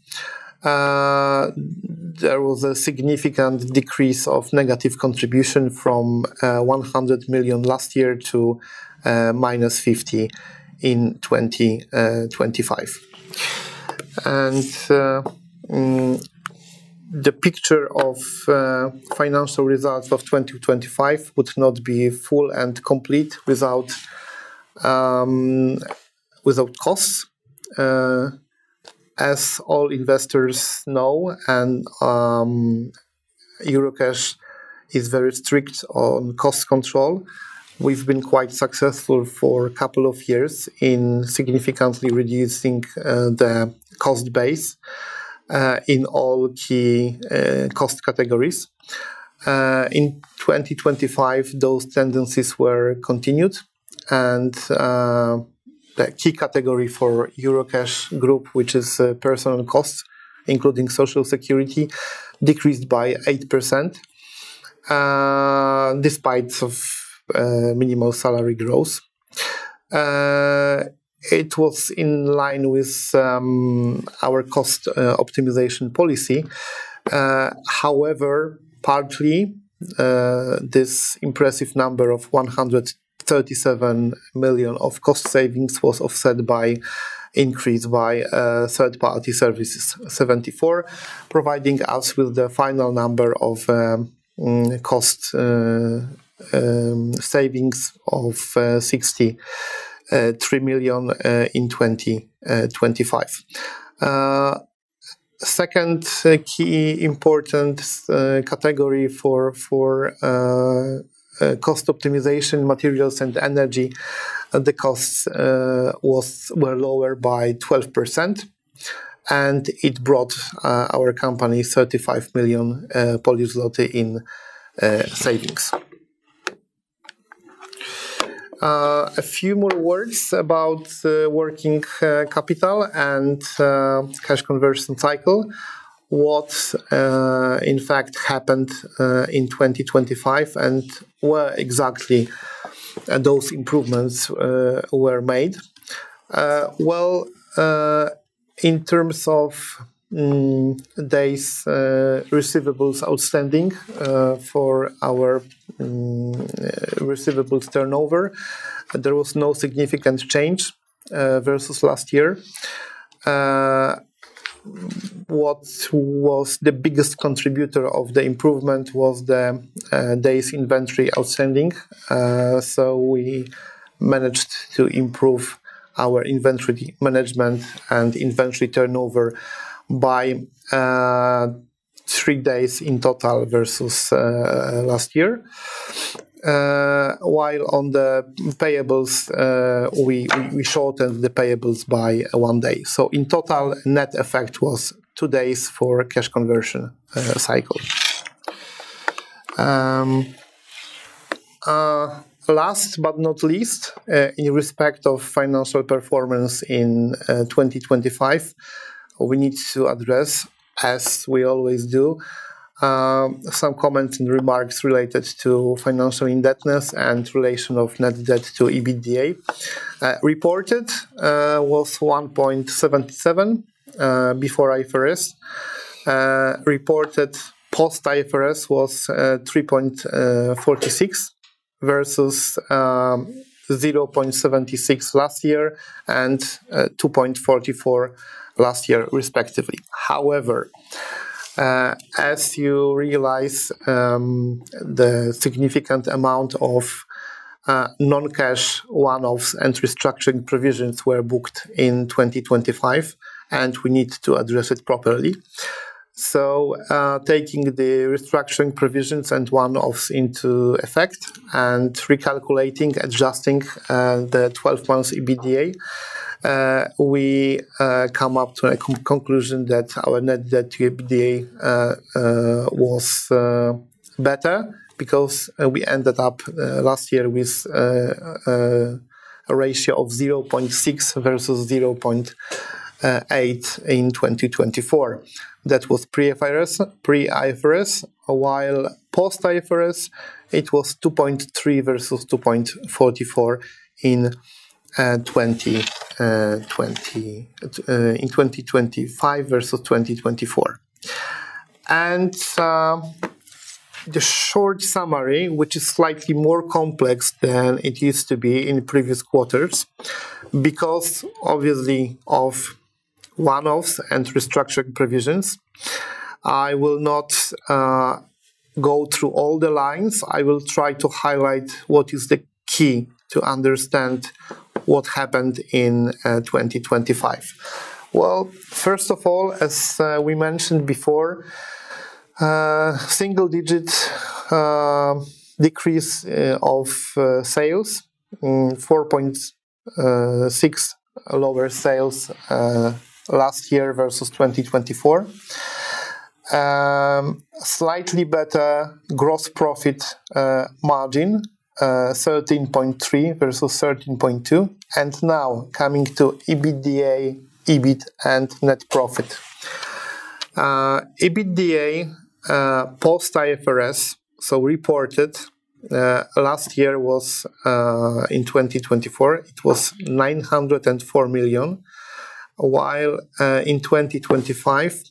there was a significant decrease of negative contribution from 100 million last year to -50 million in 2025. And the picture of financial results of 2025 would not be full and complete without costs. As all investors know, Eurocash is very strict on cost control. We've been quite successful for a couple of years in significantly reducing the cost base in all key cost categories. In 2025, those tendencies were continued. The key category for Eurocash Group, which is personal cost, including Social Security, decreased by 8%, despite of minimal salary growth. It was in line with our cost optimization policy. Partly, this impressive number of 137 million of cost savings was offset by increase by third-party services, 74 million, providing us with the final number of cost savings of 63 million in 2025. Second key important category for cost optimization, materials and energy. The costs were lower by 12%. It brought our company 35 million Polish zloty in savings. A few more words about working capital and cash conversion cycle. What, in fact, happened in 2025 and where exactly those improvements were made. Well, in terms of days receivables outstanding for our receivables turnover, there was no significant change versus last year. What was the biggest contributor of the improvement was the days inventory outstanding. We managed to improve our inventory management and inventory turnover by 3 days in total versus last year. While on the payables, we shortened the payables by 1 day. In total, net effect was 2 days for cash conversion cycle. Last but not least, in respect of financial performance in 2025, we need to address, as we always do, some comments and remarks related to financial indebtedness and relation of net debt to EBITDA. Reported was 1.77 before IFRS. Reported post-IFRS was 3.46 versus 0.76 last year and 2.44 last year, respectively. As you realize, the significant amount of non-cash One-offs and restructuring provisions were booked in 2025, and we need to address it properly. Taking the restructuring provisions and One-offs into effect and recalculating, adjusting the 12 months EBITDA, we come up to a conclusion that our net debt to EBITDA was better because we ended up last year with a ratio of 0.6 versus 0.8 in 2024. That was pre-IFRS, while post-IFRS, it was 2.3 versus 2.44 in 2025 versus 2024. The short summary, which is slightly more complex than it used to be in previous quarters, because obviously of One-offs and restructuring provisions. I will not go through all the lines. I will try to highlight what is the key to understand what happened in 2025. Well, first of all, as we mentioned before, single-digit decrease of sales, 4.6% lower sales last year versus 2024. Slightly better gross profit margin, 13.3% versus 13.2%. Now coming to EBITDA, EBIT and net profit. EBITDA post IFRS, so reported, last year in 2024, it was 904 million, while in 2025,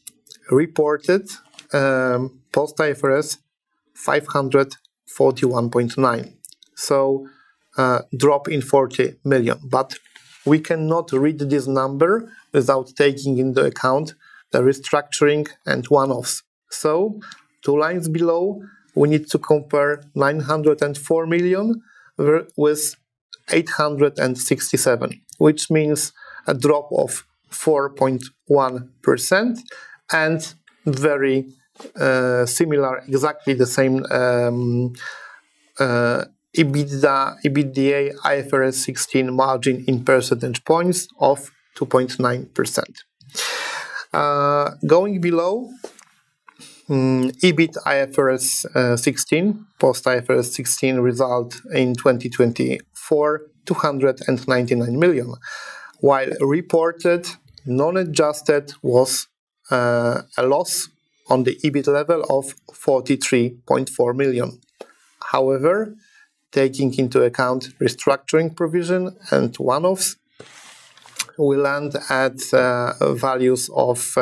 reported post IFRS 541.9 million, so a drop in 40 million. We cannot read this number without taking into account the restructuring and One-offs. Two lines below, we need to compare 904 million with 867 million, which means a drop of 4.1%. Very similar, exactly the same EBITDA, IFRS 16 margin in percentage points of 2.9%. Going below, EBIT post IFRS 16 result in 2024, 299 million, while reported non-adjusted was a loss on the EBIT level of 43.4 million. Taking into account restructuring provision and One-offs, we land at values of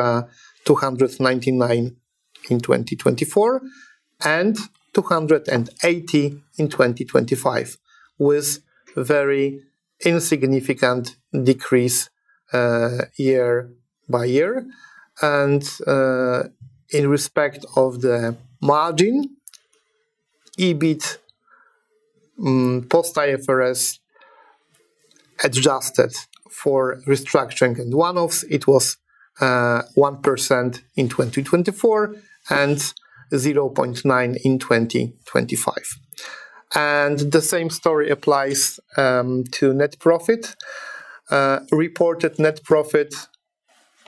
299 million in 2024 and 280 million in 2025, with very insignificant decrease year-by-year. In respect of the margin, EBIT post IFRS adjusted for restructuring and One-offs, it was 1% in 2024 and 0.9% in 2025. The same story applies to net profit. Reported net profit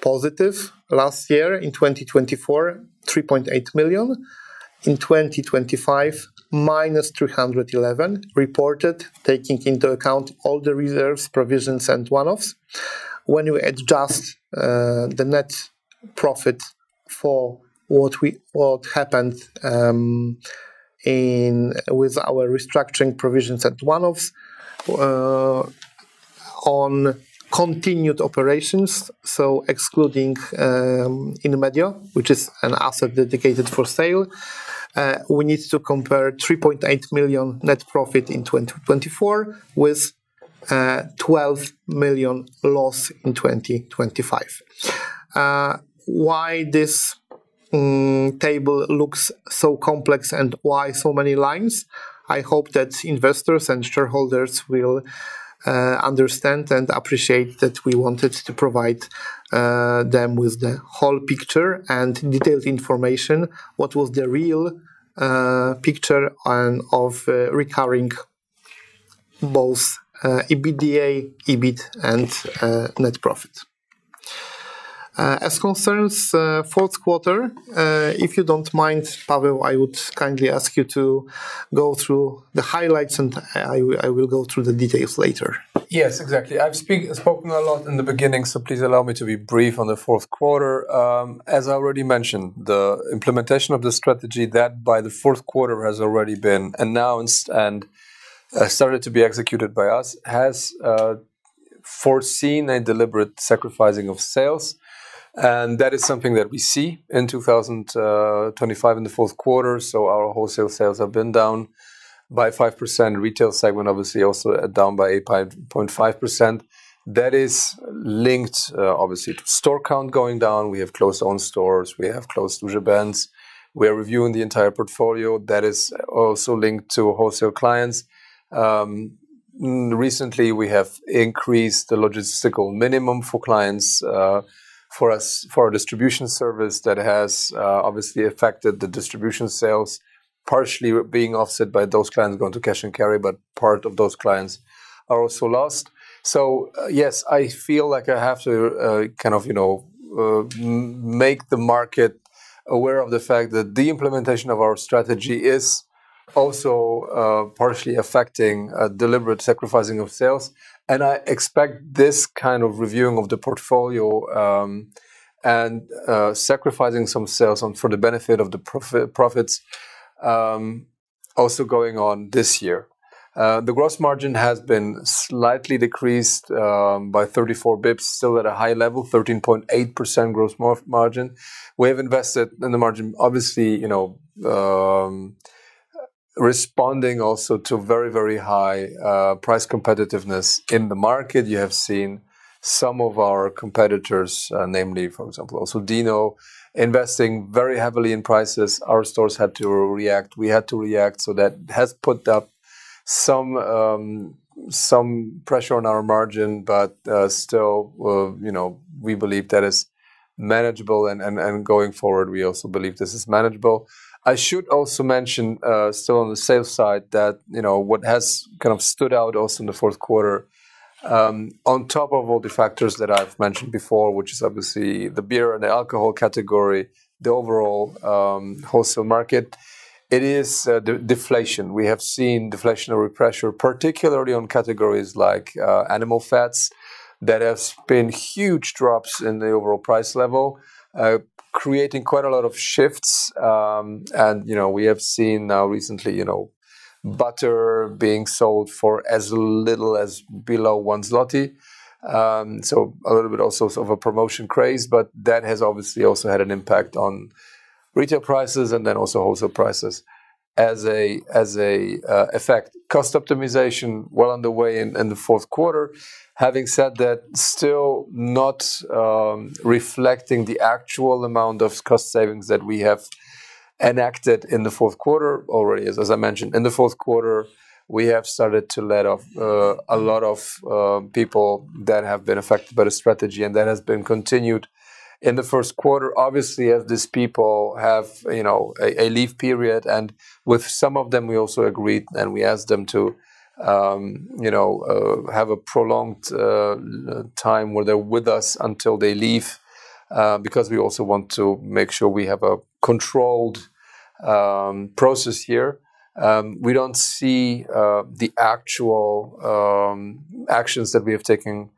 positive last year in 2024, 3.8 million. In 2025, minus 311 million reported, taking into account all the reserves, provisions and one-offs. When you adjust the net profit for what happened with our restructuring provisions and one-offs on continued operations, so excluding Inmedio, which is an asset dedicated for sale, we need to compare 3.8 million net profit in 2024 with 12 million loss in 2025. Why this table looks so complex and why so many lines? I hope that investors and shareholders will understand and appreciate that we wanted to provide them with the whole picture and detailed information. What was the real picture of recurring both EBITDA, EBIT and net profit? As concerns fourth quarter, if you don't mind, Paweł, I would kindly ask you to go through the highlights, and I will go through the details later. Yes, exactly. I've spoken a lot in the beginning, please allow me to be brief on the fourth quarter. As I already mentioned, the implementation of the strategy that by the fourth quarter has already been announced and started to be executed by us, has foreseen a deliberate sacrificing of sales. That is something that we see in 2025, in the fourth quarter. Our wholesale sales have been down by 5%. Retail segment, obviously, also down by 8.5%. That is linked, obviously, to store count going down. We have closed own stores. We have closed Żabka. We are reviewing the entire portfolio. That is also linked to wholesale clients. Recently, we have increased the logistical minimum for clients for our distribution service. That has obviously affected the distribution sales, partially being offset by those clients going to cash and carry, but part of those clients are also lost. Yes, I feel like I have to make the market aware of the fact that the implementation of our strategy is also partially affecting deliberate sacrificing of sales. I expect this kind of reviewing of the portfolio and sacrificing some sales for the benefit of the profits also going on this year. The gross margin has been slightly decreased by 34 basis points, still at a high level, 13.8% gross margin. We have invested in the margin, obviously, responding also to very high price competitiveness in the market. You have seen some of our competitors, namely, for example, also Dino, investing very heavily in prices. Our stores had to react. We had to react. That has put up some pressure on our margin, but still we believe that is manageable, and going forward, we also believe this is manageable. I should also mention, still on the sales side, that what has stood out also in the fourth quarter, on top of all the factors that I've mentioned before, which is obviously the beer and the alcohol category, the overall wholesale market, it is deflation. We have seen deflationary pressure, particularly on categories like animal fats, that has been huge drops in the overall price level, creating quite a lot of shifts. We have seen now recently, butter being sold for as little as below PLN one. A little bit also of a promotion craze, but that has obviously also had an impact on retail prices and then also wholesale prices as a effect. Cost optimization well underway in the fourth quarter. Having said that, still not reflecting the actual amount of cost savings that we have enacted in the fourth quarter already. As I mentioned, in the fourth quarter, we have started to let off a lot of people that have been affected by the strategy, and that has been continued in the first quarter. Obviously, these people have a leave period, and with some of them we also agreed and we asked them to have a prolonged time where they're with us until they leave, because we also want to make sure we have a controlled process here. We don't see the actual actions that we have taken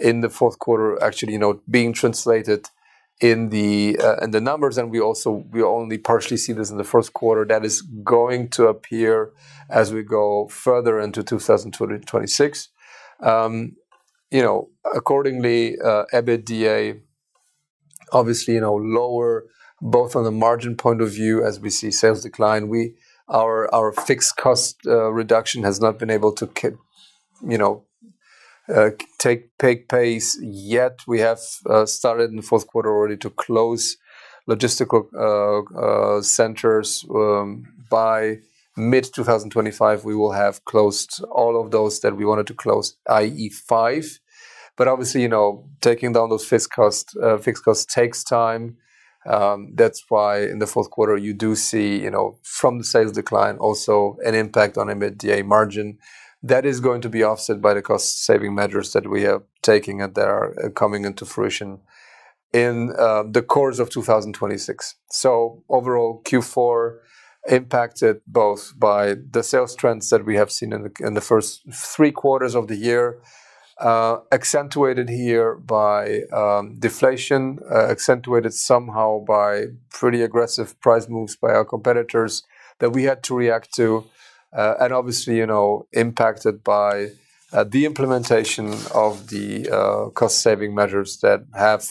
in the fourth quarter actually being translated in the numbers. We only partially see this in the first quarter. That is going to appear as we go further into 2026. Accordingly, EBITDA, obviously, lower both on the margin point of view as we see sales decline. Our fixed cost reduction has not been able to pick pace yet. We have started in the fourth quarter already to close logistical centers. By mid-2025, we will have closed all of those that we wanted to close, i.e., five. Obviously, taking down those fixed cost takes time. That's why in the fourth quarter, you do see, from the sales decline, also an impact on EBITDA margin that is going to be offset by the cost-saving measures that we are taking and that are coming into fruition in the course of 2026. Overall, Q4 impacted both by the sales trends that we have seen in the first three quarters of the year, accentuated here by deflation, accentuated somehow by pretty aggressive price moves by our competitors that we had to react to. Obviously, impacted by the implementation of the cost-saving measures that have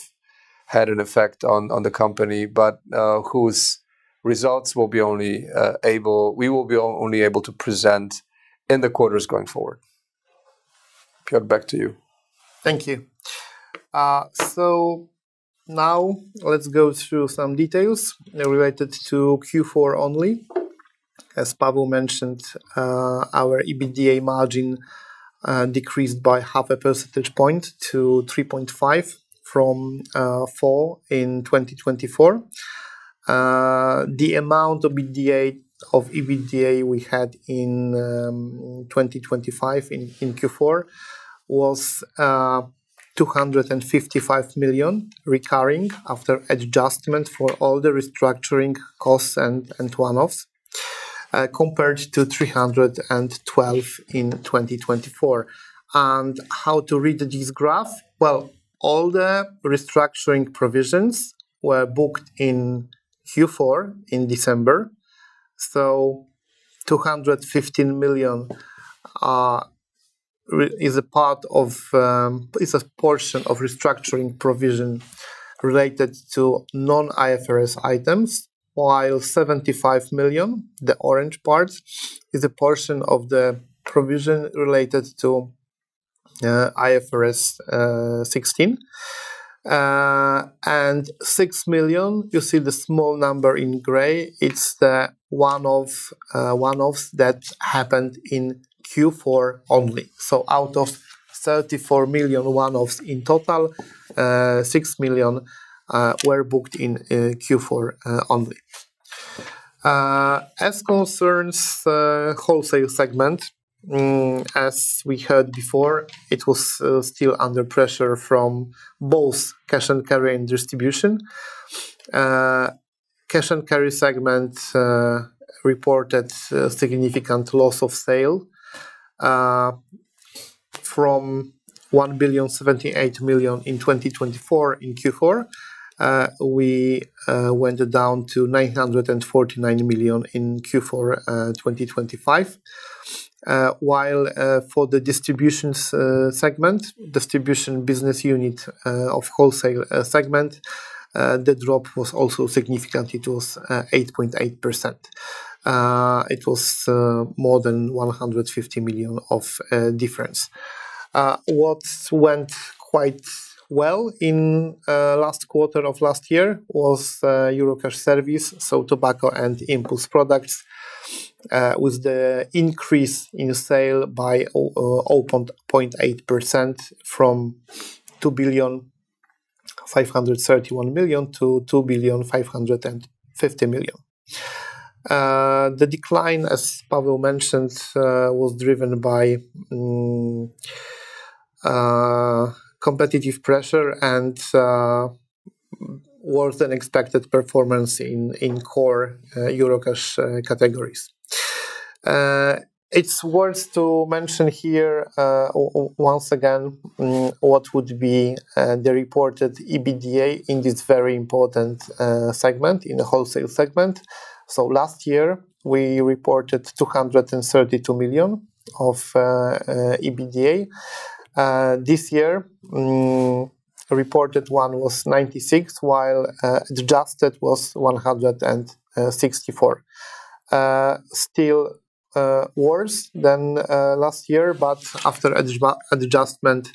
had an effect on the company, but whose results we will be only able to present in the quarters going forward. Piotr, back to you. Thank you. Now let's go through some details related to Q4 only. As Paweł mentioned, our EBITDA margin decreased by half a percentage point to 3.5% from 4% in 2024. The amount of EBITDA we had in 2025 in Q4 was 255 million recurring after adjustment for all the restructuring costs and one-offs, compared to 312 million in 2024. How to read this graph? Well, all the restructuring provisions were booked in Q4 in December. 215 million is a portion of restructuring provision related to non-IFRS items, while 75 million, the orange part, is a portion of the provision related to IFRS 16. 6 million, you see the small number in gray, it's the one-offs that happened in Q4 only. Out of 34 million one-offs in total, 6 million were booked in Q4 only. As concerns wholesale segment, as we heard before, it was still under pressure from both cash & carry and distribution. Cash & carry segment reported a significant loss of sale from 1,078 million in 2024 in Q4. We went down to 949 million in Q4 2025. While for the distribution segment, distribution business unit of wholesale segment, the drop was also significant. It was 8.8%. It was more than 150 million of difference. What went quite well in last quarter of last year was Eurocash Serwis, so tobacco and impulse products, with the increase in sale by 0.8% from 2,531 million to 2,550 million. The decline, as Paweł mentioned, was driven by competitive pressure and worse than expected performance in core Eurocash categories. It's worth to mention here, once again, what would be the reported EBITDA in this very important segment, in the wholesale segment. Last year, we reported 232 million of EBITDA. This year, reported one was 96 million, while adjusted was 164 million. Still worse than last year, but after adjustment,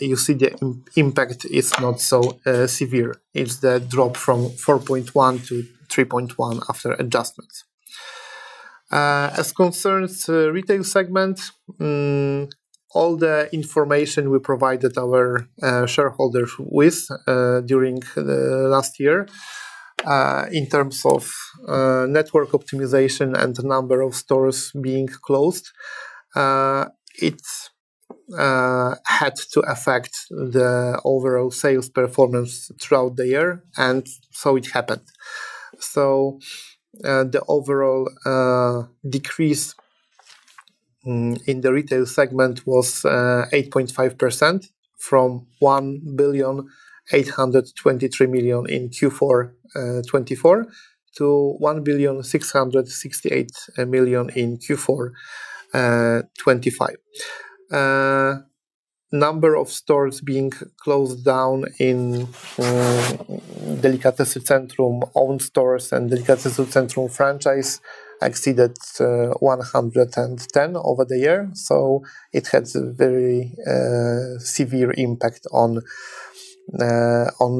you see the impact is not so severe. It's the drop from 4.1 to 3.1 after adjustments. As concerns retail segment, all the information we provided our shareholders with during the last year, in terms of network optimization and number of stores being closed, it had to affect the overall sales performance throughout the year, and so it happened. The overall decrease in the retail segment was 8.5% from 1,823 million in Q4 2024 to 1,668 million in Q4 2025. Number of stores being closed down in Delikatesy Centrum owned stores and Delikatesy Centrum franchise exceeded 110 over the year, it has a very severe impact on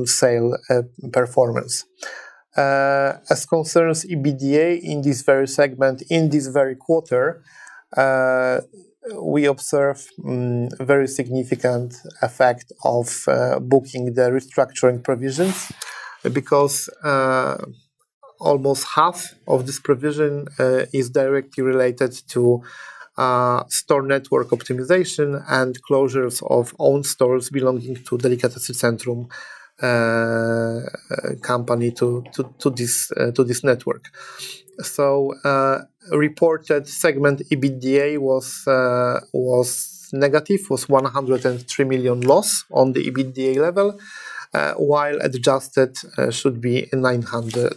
sale performance. As concerns EBITDA in this very segment, in this very quarter, we observe very significant effect of booking the restructuring provisions because almost half of this provision is directly related to store network optimization and closures of owned stores belonging to Delikatesy Centrum company to this network. Reported segment EBITDA was negative, was 103 million loss on the EBITDA level, while adjusted should be 93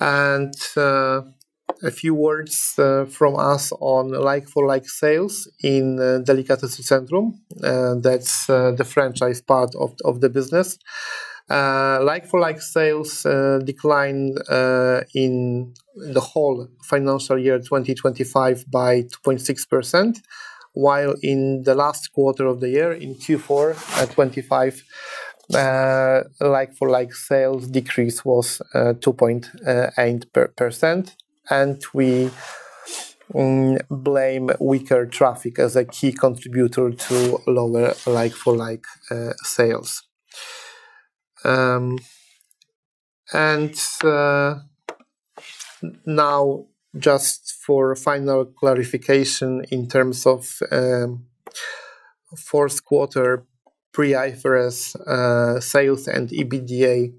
million. A few words from us on like-for-like sales in Delikatesy Centrum. That's the franchise part of the business. Like-for-like sales declined in the whole financial year 2025 by 2.6%, while in the last quarter of the year, in Q4 2025, like-for-like sales decrease was 2.8%. We blame weaker traffic as a key contributor to lower like-for-like sales. Now, just for final clarification in terms of fourth quarter pre-IFRS sales and EBITDA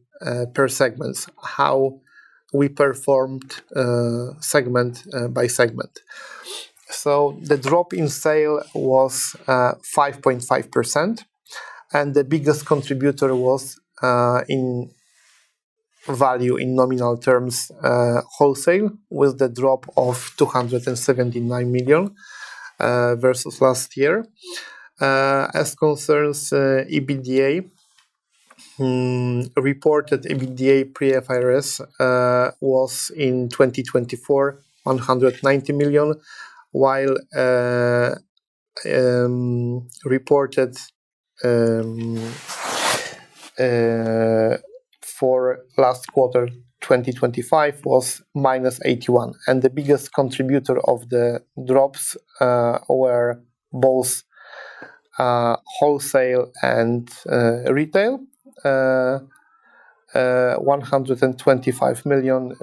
per segments, how we performed segment by segment. The drop in sale was 5.5%, and the biggest contributor was in value in nominal terms, wholesale, with the drop of 279 million versus last year. As concerns EBITDA, reported EBITDA pre-IFRS was in 2024, PLN 190 million, while reported for last quarter 2025 was -81 million. The biggest contributor of the drops were both wholesale and retail, 125 million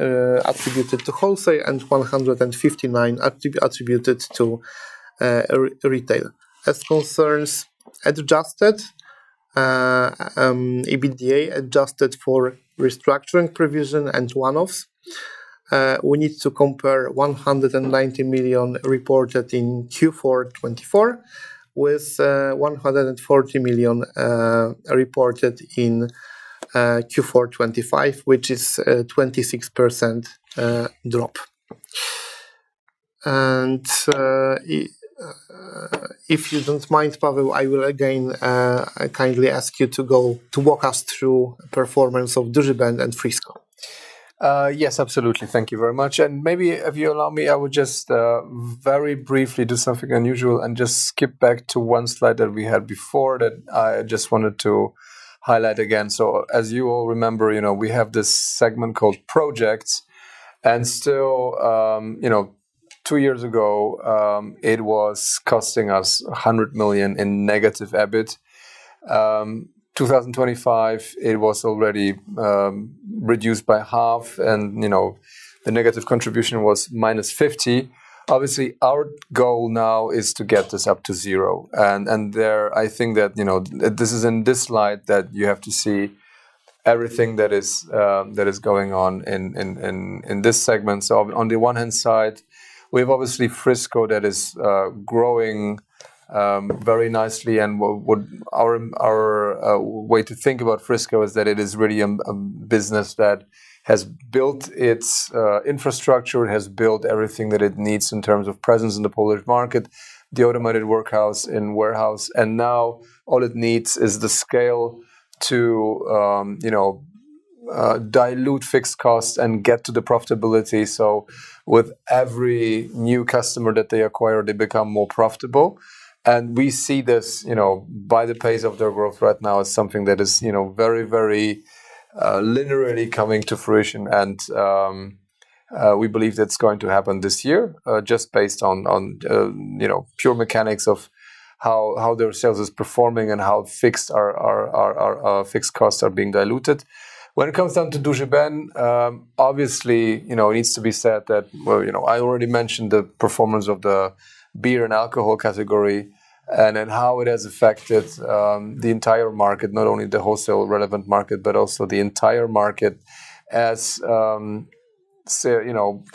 attributed to wholesale and 159 million attributed to retail. As concerns adjusted EBITDA, adjusted for restructuring provision and one-offs, we need to compare 190 million reported in Q4 2024 with 140 million reported in Q4 2025, which is a 26% drop. If you don't mind, Paweł, I will again kindly ask you to walk us through performance of Duży Ben and Frisco. Yes, absolutely. Thank you very much. Maybe if you allow me, I would just very briefly do something unusual and just skip back to one slide that we had before that I just wanted to highlight again. As you all remember, we have this segment called projects, and still two years ago, it was costing us 100 million in negative EBIT. 2025, it was already reduced by half and the negative contribution was -50. Obviously, our goal now is to get this up to zero. There, I think that, this is in this slide that you have to see everything that is going on in this segment. On the one hand side, we have obviously Frisco that is growing very nicely and our way to think about Frisco is that it is really a business that has built its infrastructure, has built everything that it needs in terms of presence in the Polish market, the automated warehouse and warehouse, and now all it needs is the scale to dilute fixed costs and get to the profitability. With every new customer that they acquire, they become more profitable. We see this, by the pace of their growth right now, as something that is very linearly coming to fruition. We believe that's going to happen this year, just based on pure mechanics of how their sales is performing and how fixed costs are being diluted. When it comes down to Duży Ben, obviously, it needs to be said that, I already mentioned the performance of the beer and alcohol category and how it has affected the entire market, not only the wholesale relevant market, but also the entire market as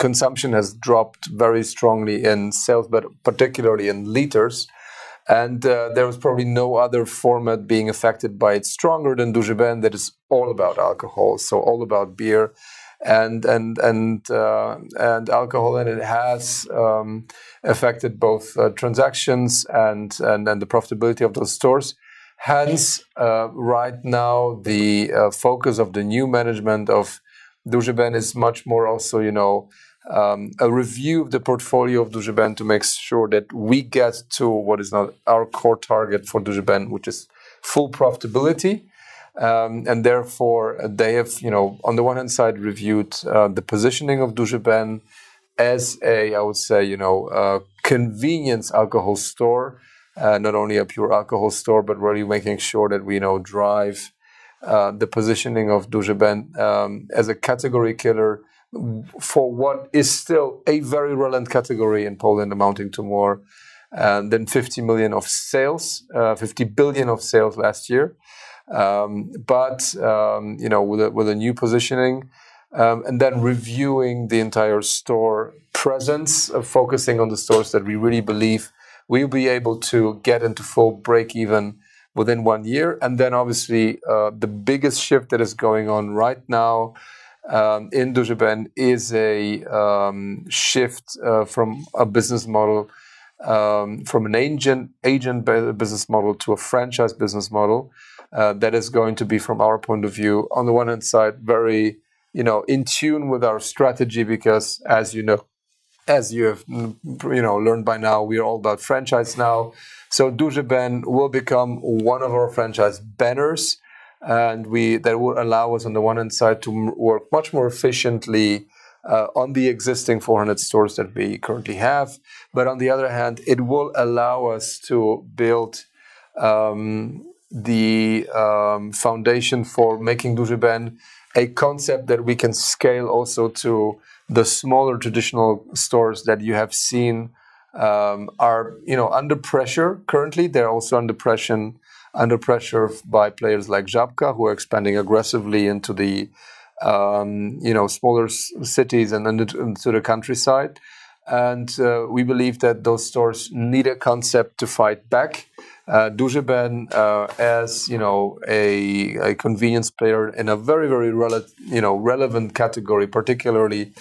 consumption has dropped very strongly in sales, but particularly in liters. There was probably no other format being affected by it stronger than Duży Ben that is all about alcohol, so all about beer and alcohol. It has affected both transactions and the profitability of those stores. Hence, right now the focus of the new management of Duży Ben is much more also a review of the portfolio of Duży Ben to make sure that we get to what is now our core target for Duży Ben, which is full profitability. Therefore, they have, on the one hand side, reviewed the positioning of Duży Ben as a, I would say, convenience alcohol store. Not only a pure alcohol store, but really making sure that we now drive the positioning of Duży Ben as a category killer for what is still a very relevant category in Poland, amounting to more than 50 million of sales, 50 billion of sales last year. But with a new positioning, then reviewing the entire store presence, focusing on the stores that we really believe we will be able to get into full breakeven within one year. Then obviously, the biggest shift that is going on right now in Duży Ben is a shift from a business model, from an agent business model to a franchise business model. It is going to be, from our point of view, on the one hand side, very in tune with our strategy because as you have learned by now, we are all about franchise now. Duży Ben will become one of our franchise banners, and that will allow us, on the one hand side, to work much more efficiently on the existing 400 stores that we currently have. But on the other hand, it will allow us to build the foundation for making Duży Ben a concept that we can scale also to the smaller traditional stores that you have seen are under pressure currently. They are also under pressure by players like Żabka, who are expanding aggressively into the smaller cities and into the countryside. We believe that those stores need a concept to fight back. Duży Ben as a convenience player in a very relevant category, particularly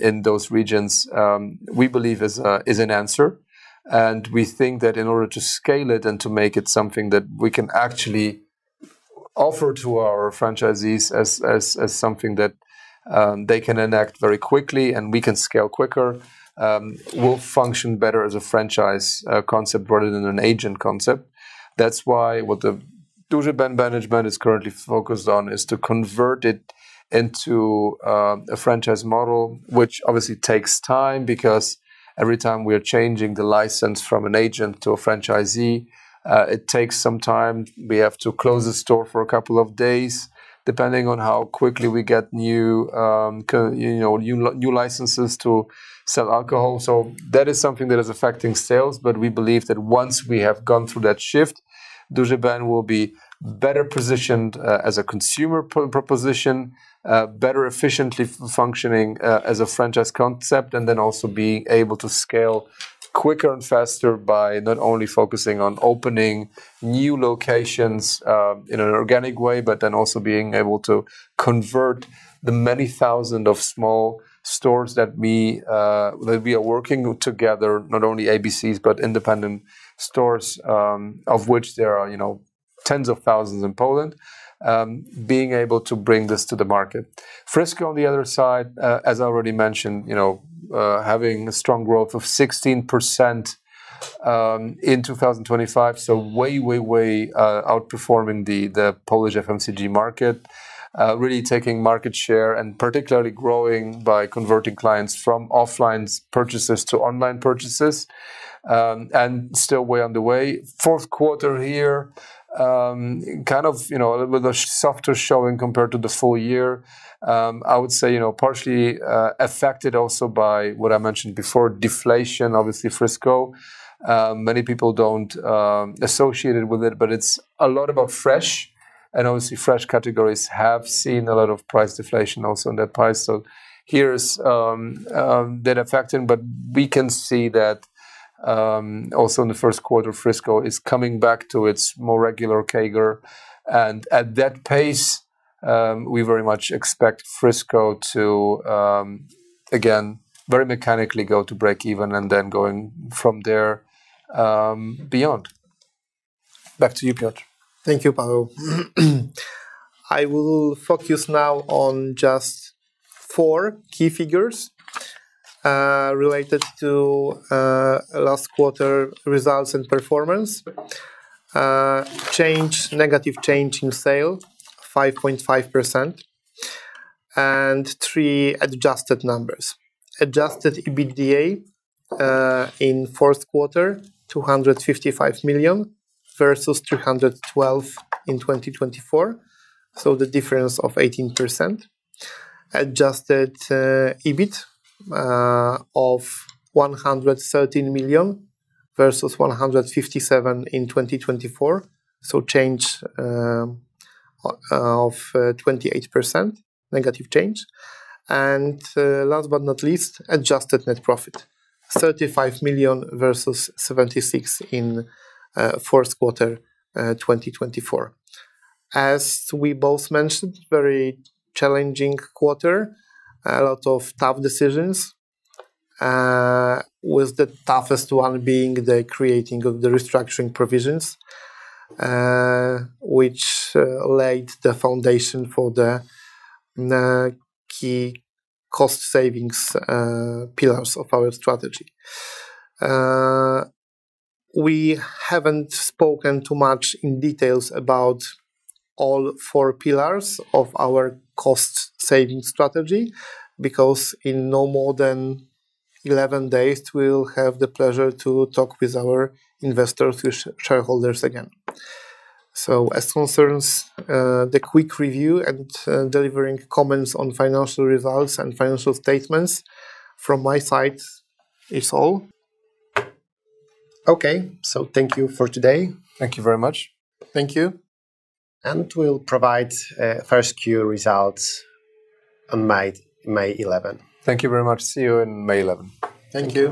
in those regions, we believe is an answer. We think that in order to scale it and to make it something that we can actually offer to our franchisees as something that they can enact very quickly and we can scale quicker, will function better as a franchise concept rather than an agent concept. That is why what the Duży Ben management is currently focused on is to convert it into a franchise model, which obviously takes time because every time we are changing the license from an agent to a franchisee, it takes some time. We have to close the store for a couple of days, depending on how quickly we get new licenses to sell alcohol. That is something that is affecting sales, but we believe that once we have gone through that shift, Duży Ben will be better positioned as a consumer proposition, better efficiently functioning as a franchise concept, and then also being able to scale quicker and faster by not only focusing on opening new locations in an organic way, but then also being able to convert the many thousands of small stores that we are working together, not only abc, but independent stores, of which there are tens of thousands in Poland. Being able to bring this to the market. Frisco, on the other side, as I already mentioned, having a strong growth of 16% in 2025, so way outperforming the Polish FMCG market, really taking market share and particularly growing by converting clients from offline purchases to online purchases, and still way underway. Fourth quarter here, with a softer showing compared to the full year. I would say, partially affected also by what I mentioned before, deflation, obviously, Frisco. Many people don't associate it with it, but it's a lot about fresh, and obviously fresh categories have seen a lot of price deflation also on their price side. Here is that affecting, we can see that, also in the first quarter, Frisco is coming back to its more regular CAGR. At that pace, we very much expect Frisco to, again, very mechanically go to break even and then going from there beyond. Back to you, Piotr. Thank you, Paulo. I will focus now on just four key figures related to last quarter results and performance. Negative change in sales, 5.5%, and three adjusted numbers. Adjusted EBITDA in Q4, 255 million versus 212 million in 2024, so the difference of 18%. Adjusted EBIT of 113 million versus 157 million in 2024, so change of 28%, negative change. Last but not least, adjusted net profit, 35 million versus 76 million in Q4 2024. As we both mentioned, very challenging quarter. A lot of tough decisions, with the toughest one being the creation of the restructuring provisions, which laid the foundation for the key cost savings pillars of our strategy. We haven't spoken too much in detail about all four pillars of our cost-saving strategy because in no more than 11 days, we will have the pleasure to talk with our investors, with shareholders again. As concerns the quick review and delivering comments on financial results and financial statements, from my side, is all. Okay. Thank you for today. Thank you very much. Thank you. We'll provide first Q results on May 11th. Thank you very much. See you on May 11th. Thank you.